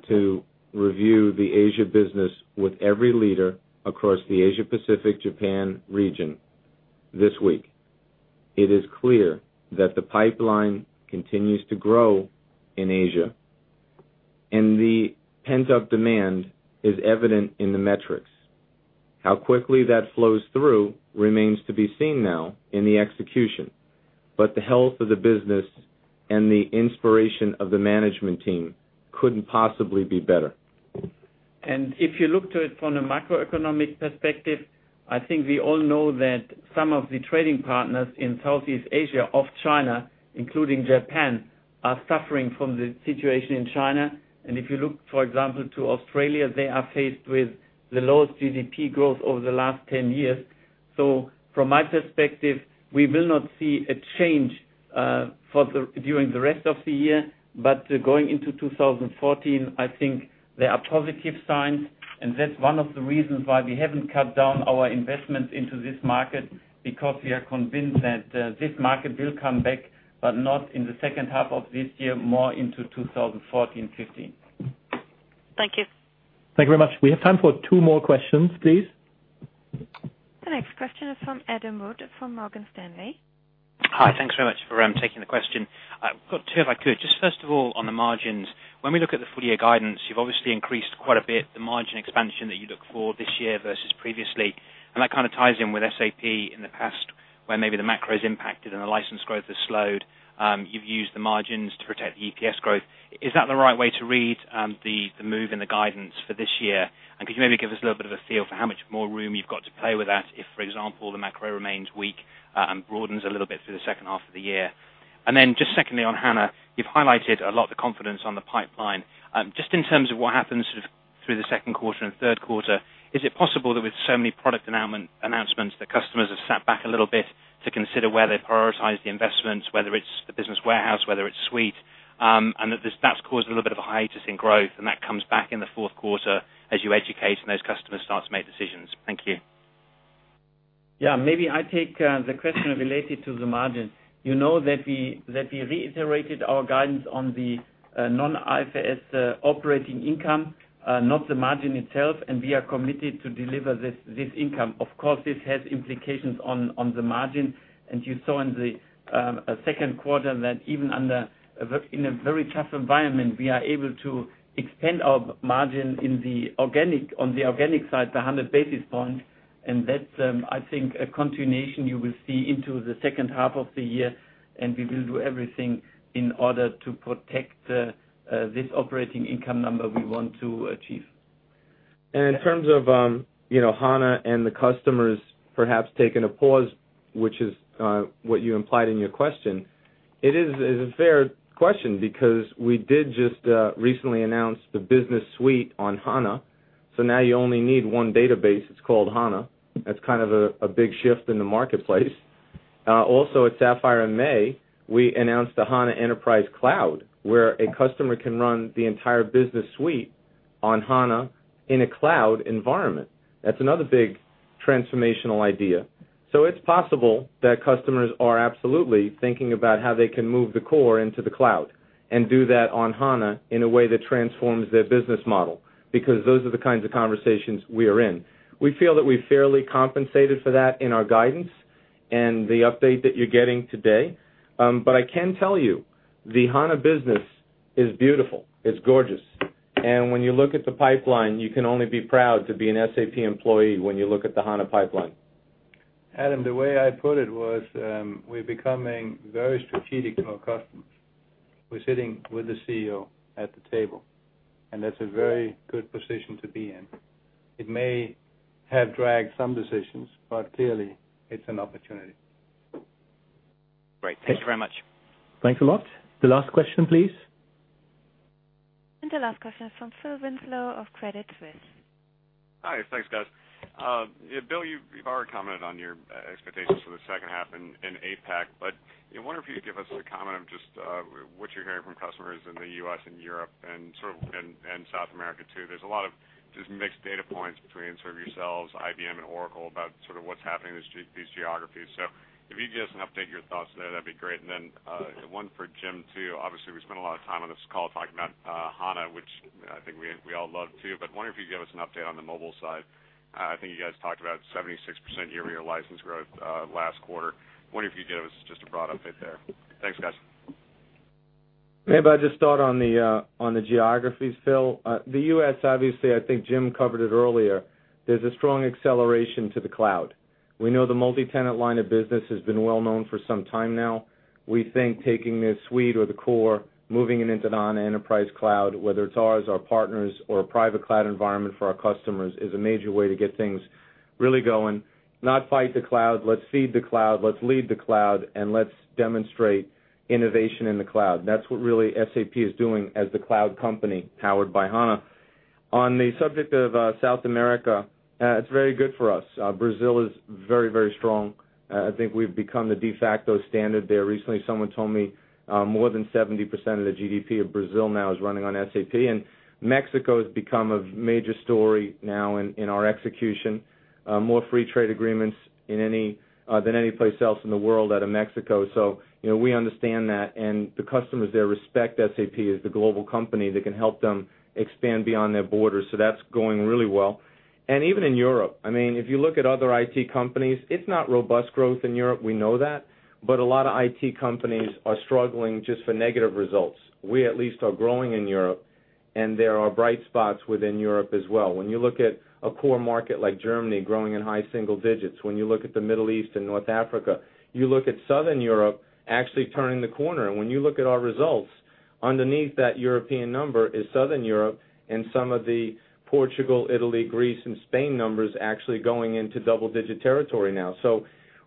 to review the Asia business with every leader across the Asia Pacific, Japan region this week. It is clear that the pipeline continues to grow in Asia, and the pent-up demand is evident in the metrics. How quickly that flows through remains to be seen now in the execution. The health of the business and the inspiration of the management team couldn't possibly be better. If you look to it from the macroeconomic perspective, I think we all know that some of the trading partners in Southeast Asia of China, including Japan, are suffering from the situation in China. If you look, for example, to Australia, they are faced with the lowest GDP growth over the last 10 years. From my perspective, we will not see a change during the rest of the year. Going into 2014, I think there are positive signs, and that's one of the reasons why we haven't cut down our investment into this market, because we are convinced that this market will come back, not in the second half of this year, more into 2014, 2015. Thank you. Thank you very much. We have time for two more questions, please. The next question is from Adam Wood from Morgan Stanley. Hi. Thanks very much for taking the question. I've got two, if I could. Just first of all, on the margins, when we look at the full year guidance, you've obviously increased quite a bit the margin expansion that you look for this year versus previously. That kind of ties in with SAP in the past, where maybe the macro is impacted and the license growth has slowed. You've used the margins to protect EPS growth. Is that the right way to read the move in the guidance for this year? Could you maybe give us a little bit of a feel for how much more room you've got to play with that, if, for example, the macro remains weak and broadens a little bit through the second half of the year? Just secondly, on HANA, you've highlighted a lot of the confidence on the pipeline. Just in terms of what happens through the second quarter and third quarter, is it possible that with so many product announcements, the customers have sat back a little bit to consider where they prioritize the investments, whether it's the business warehouse, whether it's Suite, and that's caused a little bit of a hiatus in growth, and that comes back in the fourth quarter as you educate and those customers start to make decisions? Thank you. Yeah. Maybe I take the question related to the margin. You know that we reiterated our guidance on the non-IFRS operating income, not the margin itself. We are committed to deliver this income. Of course, this has implications on the margin. You saw in the second quarter that even in a very tough environment, we are able to expand our margin on the organic side, the 100 basis points. That, I think, a continuation you will see into the second half of the year, and we will do everything in order to protect this operating income number we want to achieve. In terms of HANA and the customers perhaps taking a pause, which is what you implied in your question, it is a fair question because we did just recently announce the Business Suite on HANA. Now you only need one database. It's called HANA. That's kind of a big shift in the marketplace. At Sapphire in May, we announced the HANA Enterprise Cloud, where a customer can run the entire Business Suite on HANA in a cloud environment. That's another big transformational idea. It's possible that customers are absolutely thinking about how they can move the core into the cloud and do that on HANA in a way that transforms their business model, because those are the kinds of conversations we are in. We feel that we've fairly compensated for that in our guidance and the update that you're getting today. I can tell you, the HANA business is beautiful. It's gorgeous. When you look at the pipeline, you can only be proud to be an SAP employee when you look at the HANA pipeline. Adam, the way I put it was, we're becoming very strategic to our customers. We're sitting with the CEO at the table, that's a very good position to be in. It may have dragged some decisions, clearly, it's an opportunity. Great. Thank you very much. Thanks a lot. The last question, please. The last question is from Philip Winslow of Credit Suisse. Hi. Thanks, guys. Bill, you've already commented on your expectations for the second half in APAC. I wonder if you could give us a comment of just what you're hearing from customers in the U.S. and Europe and South America, too. There's a lot of just mixed data points between sort of yourselves, IBM, and Oracle about sort of what's happening in these geographies. If you could give us an update of your thoughts there, that'd be great. One for Jim, too. Obviously, we spent a lot of time on this call talking about HANA, which I think we all love, too. I wonder if you could give us an update on the mobile side. I think you guys talked about 76% year-over-year license growth last quarter. Wondering if you could give us just a broad update there. Thanks, guys. Maybe I'll just start on the geographies, Phil. The U.S., obviously, I think Jim covered it earlier. There's a strong acceleration to the cloud. We know the multi-tenant line of business has been well known for some time now. We think taking the Suite or the core, moving it into SAP HANA Enterprise Cloud, whether it's ours, our partners, or a private cloud environment for our customers, is a major way to get things really going. Not fight the cloud. Let's feed the cloud, let's lead the cloud, and let's demonstrate innovation in the cloud. That's what really SAP is doing as the cloud company powered by HANA. On the subject of South America, it's very good for us. Brazil is very, very strong. I think we've become the de facto standard there. Recently, someone told me more than 70% of the GDP of Brazil now is running on SAP. Mexico has become a major story now in our execution. More free trade agreements than any place else in the world out of Mexico. We understand that, and the customers there respect SAP as the global company that can help them expand beyond their borders. That's going really well. Even in Europe, if you look at other IT companies, it's not robust growth in Europe, we know that. A lot of IT companies are struggling just for negative results. We at least are growing in Europe, and there are bright spots within Europe as well. When you look at a core market like Germany growing in high single digits, when you look at the Middle East and North Africa, you look at Southern Europe actually turning the corner. When you look at our results, underneath that European number is Southern Europe and some of the Portugal, Italy, Greece, and Spain numbers actually going into double-digit territory now.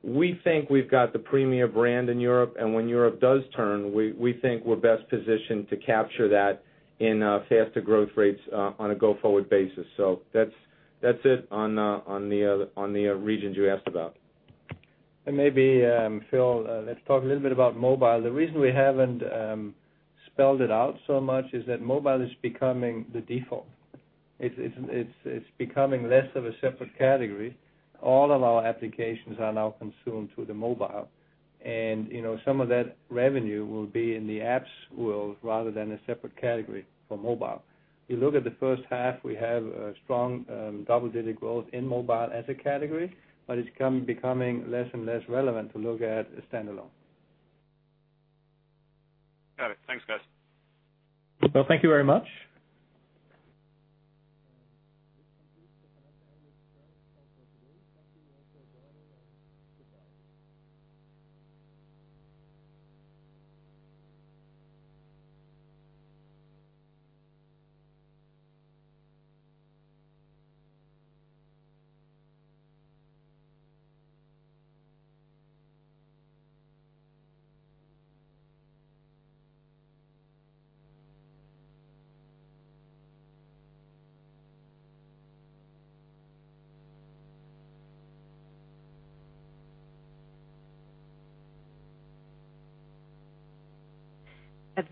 We think we've got the premier brand in Europe, and when Europe does turn, we think we're best positioned to capture that in faster growth rates on a go-forward basis. That's it on the regions you asked about. Maybe, Phil, let's talk a little bit about mobile. The reason we haven't spelled it out so much is that mobile is becoming the default. It's becoming less of a separate category. All of our applications are now consumed through the mobile. Some of that revenue will be in the apps world rather than a separate category for mobile. You look at the first half, we have a strong double-digit growth in mobile as a category, but it's becoming less and less relevant to look at standalone. Got it. Thanks, guys. Well, thank you very much.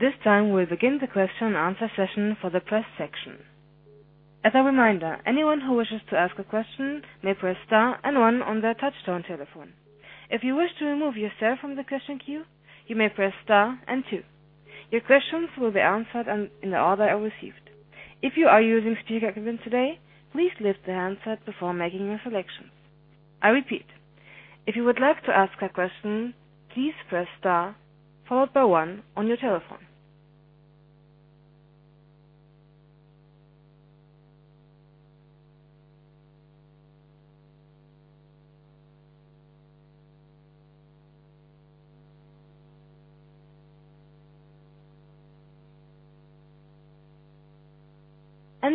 At this time, we'll begin the question and answer session for the press section. As a reminder, anyone who wishes to ask a question may press star and one on their touch-tone telephone. If you wish to remove yourself from the question queue, you may press star and two. Your questions will be answered in the order they are received. If you are using speakerphone today, please lift the handset before making your selections. I repeat, if you would like to ask a question, please press star followed by one on your telephone.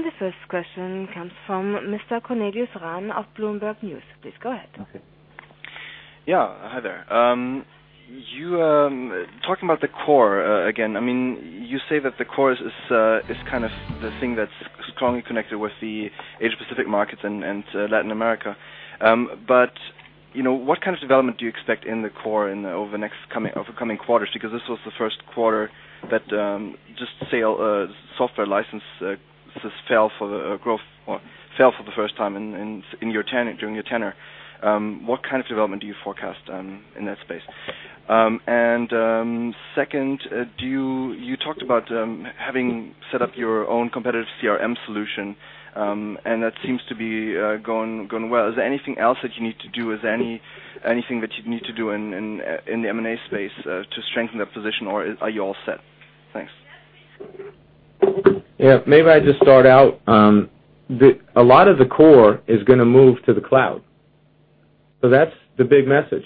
The first question comes from Mr. Cornelius Rahn of Bloomberg News. Please go ahead. Okay. Yeah, hi there. Talking about the core again, you say that the core is the thing that's strongly connected with the Asia Pacific markets and Latin America. What kind of development do you expect in the core over coming quarters? Because this was the first quarter that software licenses fell for the first time during your tenure. What kind of development do you forecast in that space? Second, you talked about having set up your own competitive CRM solution, and that seems to be going well. Is there anything else that you need to do, anything that you need to do in the M&A space to strengthen that position, or are you all set? Thanks. Yeah. Maybe I just start out. A lot of the core is going to move to the cloud. That's the big message.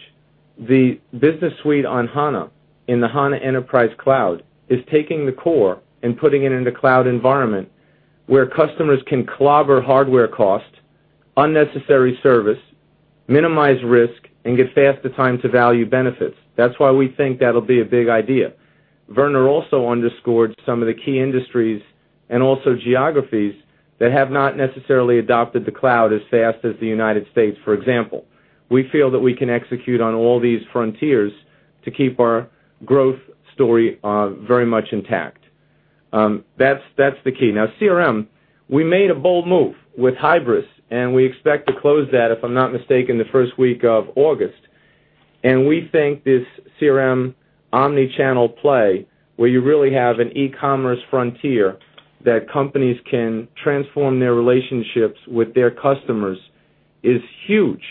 The Business Suite on HANA, in the HANA Enterprise Cloud, is taking the core and putting it in the cloud environment where customers can clobber hardware costs, unnecessary service, minimize risk, and get faster time to value benefits. That's why we think that'll be a big idea. Werner also underscored some of the key industries and also geographies that have not necessarily adopted the cloud as fast as the United States, for example. We feel that we can execute on all these frontiers to keep our growth story very much intact. That's the key. Now, CRM, we made a bold move with Hybris, and we expect to close that, if I'm not mistaken, the first week of August. We think this CRM omni-channel play, where you really have an e-commerce frontier that companies can transform their relationships with their customers, is huge.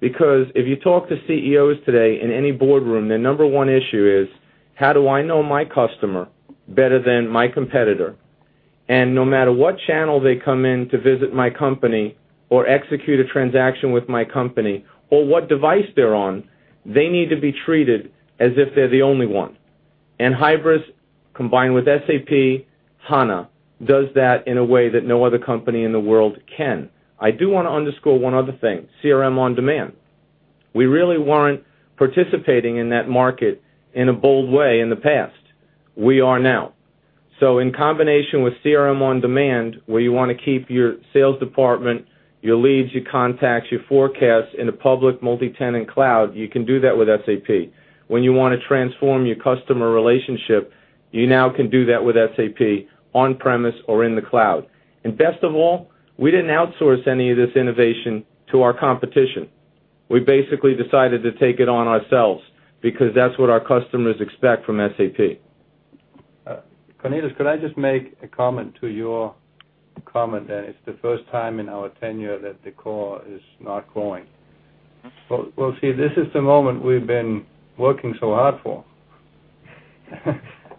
Because if you talk to CEOs today in any boardroom, their number one issue is: how do I know my customer better than my competitor? No matter what channel they come in to visit my company or execute a transaction with my company or what device they're on, they need to be treated as if they're the only one. Hybris, combined with SAP HANA, does that in a way that no other company in the world can. I do want to underscore one other thing, CRM On Demand. We really weren't participating in that market in a bold way in the past. We are now. In combination with CRM On Demand, where you want to keep your sales department, your leads, your contacts, your forecasts in a public multi-tenant cloud, you can do that with SAP. When you want to transform your customer relationship, you now can do that with SAP on-premise or in the cloud. Best of all, we didn't outsource any of this innovation to our competition. We basically decided to take it on ourselves because that's what our customers expect from SAP. Cornelius, could I just make a comment to your comment that it's the first time in our tenure that the core is not growing? This is the moment we've been working so hard for.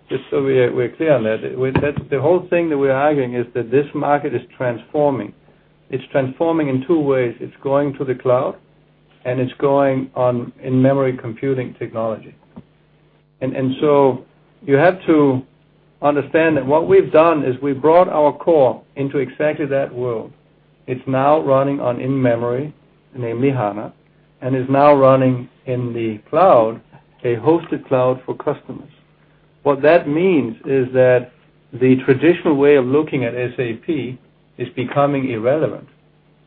Just so we're clear on that. The whole thing that we're arguing is that this market is transforming. It's transforming in two ways. It's going to the cloud, and it's going on in-memory computing technology. You have to understand that what we've done is we've brought our core into exactly that world. It's now running on in-memory, namely HANA, and is now running in the cloud, a hosted cloud for customers. What that means is that the traditional way of looking at SAP is becoming irrelevant,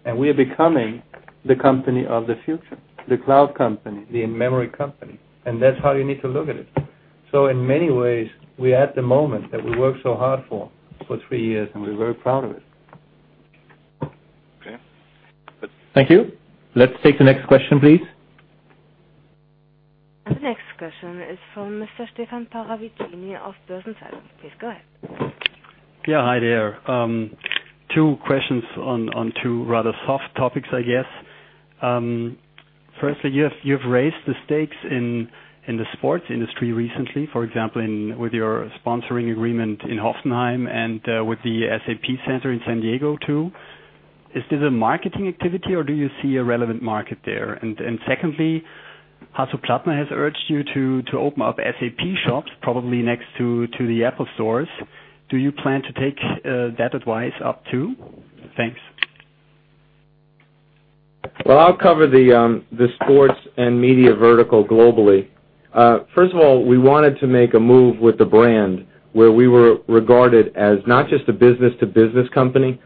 and we are becoming the company of the future, the cloud company, the in-memory company, and that's how you need to look at it. In many ways, we're at the moment that we worked so hard for three years, and we're very proud of it. Okay. Thank you. Let's take the next question, please. The next question is from Mr. Stefan Paravicini of Börsen-Zeitung. Please go ahead. Yeah, hi there. Two questions on two rather soft topics, I guess. Firstly, you've raised the stakes in the sports industry recently, for example, with your sponsoring agreement in Hoffenheim and with the SAP Center in San Jose, too. Is this a marketing activity or do you see a relevant market there? Secondly, Hasso Plattner has urged you to open up SAP shops, probably next to the Apple stores. Do you plan to take that advice up too? Thanks. Well, I'll cover the sports and media vertical globally. First of all, we wanted to make a move with the brand where we were regarded as not just a business-to-business company,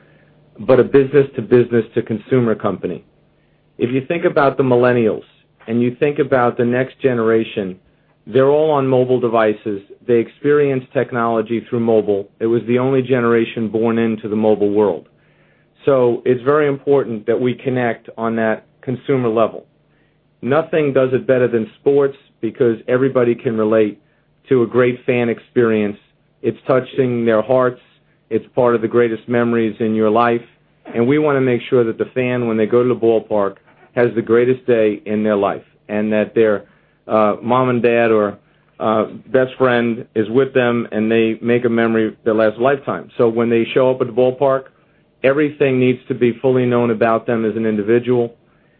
but a business-to-business to consumer company. If you think about the millennials and you think about the next generation, they're all on mobile devices. They experience technology through mobile. It was the only generation born into the mobile world. It's very important that we connect on that consumer level. Nothing does it better than sports because everybody can relate to a great fan experience. It's touching their hearts. It's part of the greatest memories in your life. We want to make sure that the fan, when they go to the ballpark, has the greatest day in their life, and that their mom and dad or best friend is with them, and they make a memory that lasts a lifetime. When they show up at the ballpark, everything needs to be fully known about them as an individual,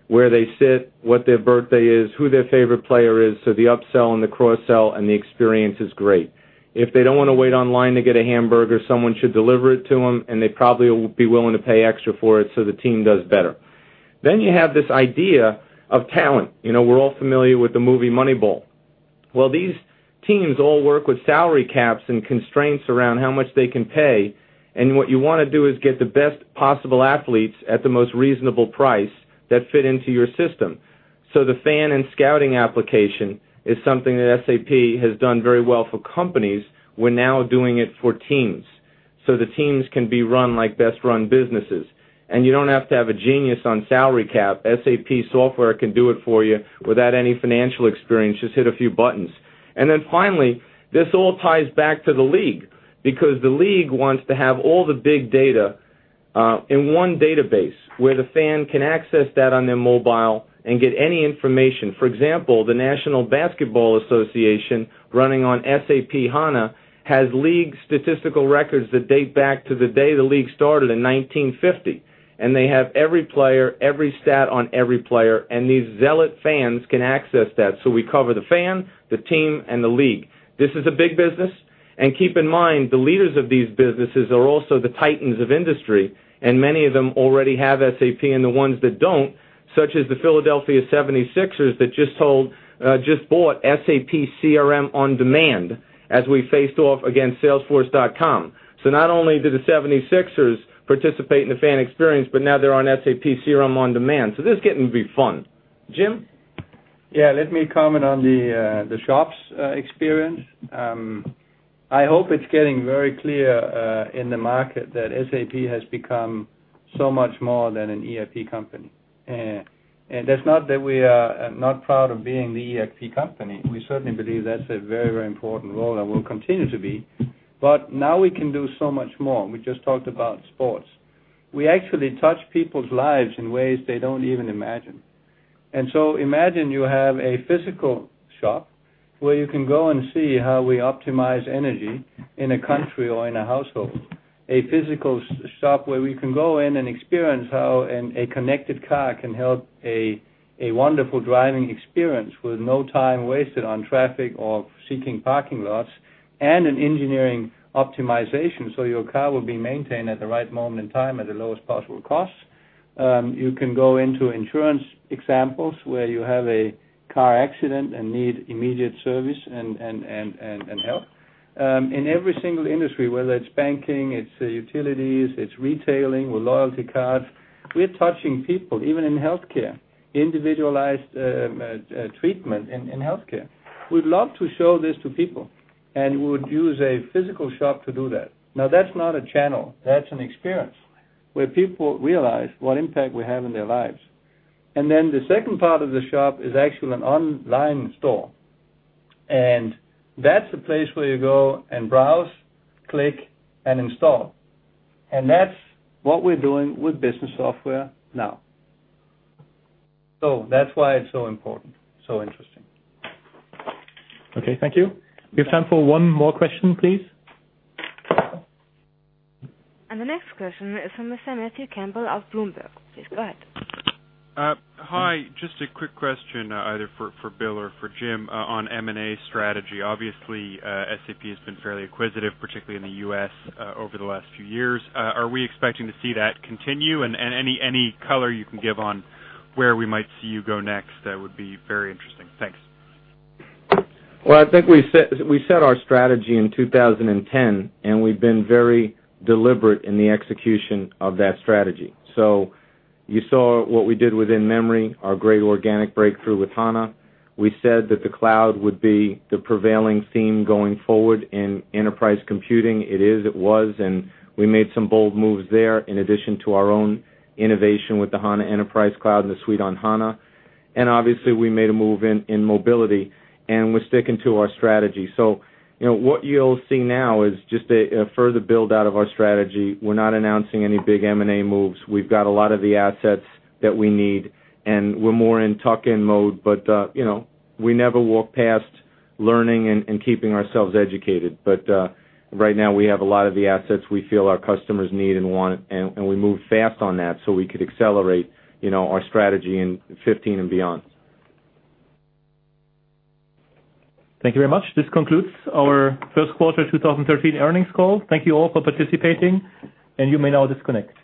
where they sit, what their birthday is, who their favorite player is, so the upsell and the cross-sell and the experience is great. If they don't want to wait online to get a hamburger, someone should deliver it to them, and they probably will be willing to pay extra for it so the team does better. You have this idea of talent. We're all familiar with the movie "Moneyball." Well, these teams all work with salary caps and constraints around how much they can pay. What you want to do is get the best possible athletes at the most reasonable price that fit into your system. The fan and scouting application is something that SAP has done very well for companies. We are now doing it for teams. The teams can be run like best-run businesses. You do not have to have a genius on salary cap. SAP software can do it for you without any financial experience. Just hit a few buttons. Then finally, this all ties back to the league. The league wants to have all the big data in one database where the fan can access that on their mobile and get any information. For example, the National Basketball Association, running on SAP HANA, has league statistical records that date back to the day the league started in 1950. They have every player, every stat on every player, and these zealot fans can access that. So we cover the fan, the team, and the league. This is a big business. Keep in mind, the leaders of these businesses are also the titans of industry, and many of them already have SAP, and the ones that do not, such as the Philadelphia 76ers that just bought SAP CRM on Demand as we faced off against salesforce.com. Not only do the 76ers participate in the fan experience, but now they are on SAP CRM on Demand. This is getting to be fun. Jim. Let me comment on the shops experience. I hope it is getting very clear in the market that SAP has become so much more than an ERP company. That is not that we are not proud of being the ERP company. We certainly believe that is a very, very important role and will continue to be. But now we can do so much more. We just talked about sports. We actually touch people's lives in ways they do not even imagine. Imagine you have a physical shop where you can go and see how we optimize energy in a country or in a household. A physical shop where we can go in and experience how a connected car can help a wonderful driving experience with no time wasted on traffic or seeking parking lots, and an engineering optimization so your car will be maintained at the right moment in time at the lowest possible cost. You can go into insurance examples where you have a car accident and need immediate service and help. In every single industry, whether it is banking, it is utilities, it is retailing with loyalty cards, we are touching people, even in healthcare, individualized treatment in healthcare. We would love to show this to people, and we would use a physical shop to do that. That is not a channel. That is an experience where people realize what impact we have in their lives. The second part of the shop is actually an online store. That's the place where you go and browse, click, and install. That's what we're doing with business software now. That's why it's so important, so interesting. Okay, thank you. We have time for one more question, please. The next question is from Mr. Matthew Campbell of Bloomberg. Please go ahead. Hi. Just a quick question either for Bill or for Jim on M&A strategy. Obviously, SAP has been fairly acquisitive, particularly in the U.S., over the last few years. Are we expecting to see that continue? Any color you can give on where we might see you go next? That would be very interesting. Thanks. I think we set our strategy in 2010. We've been very deliberate in the execution of that strategy. You saw what we did within memory, our great organic breakthrough with HANA. We said that the cloud would be the prevailing theme going forward in enterprise computing. It is, it was, and we made some bold moves there in addition to our own innovation with the HANA Enterprise Cloud and the Suite on HANA. We made a move in mobility, and we're sticking to our strategy. What you'll see now is just a further build-out of our strategy. We're not announcing any big M&A moves. We've got a lot of the assets that we need, and we're more in tuck-in mode. We never walk past learning and keeping ourselves educated. Right now, we have a lot of the assets we feel our customers need and want, and we moved fast on that so we could accelerate our strategy in 2015 and beyond. Thank you very much. This concludes our second quarter 2013 earnings call. Thank you all for participating, and you may now disconnect.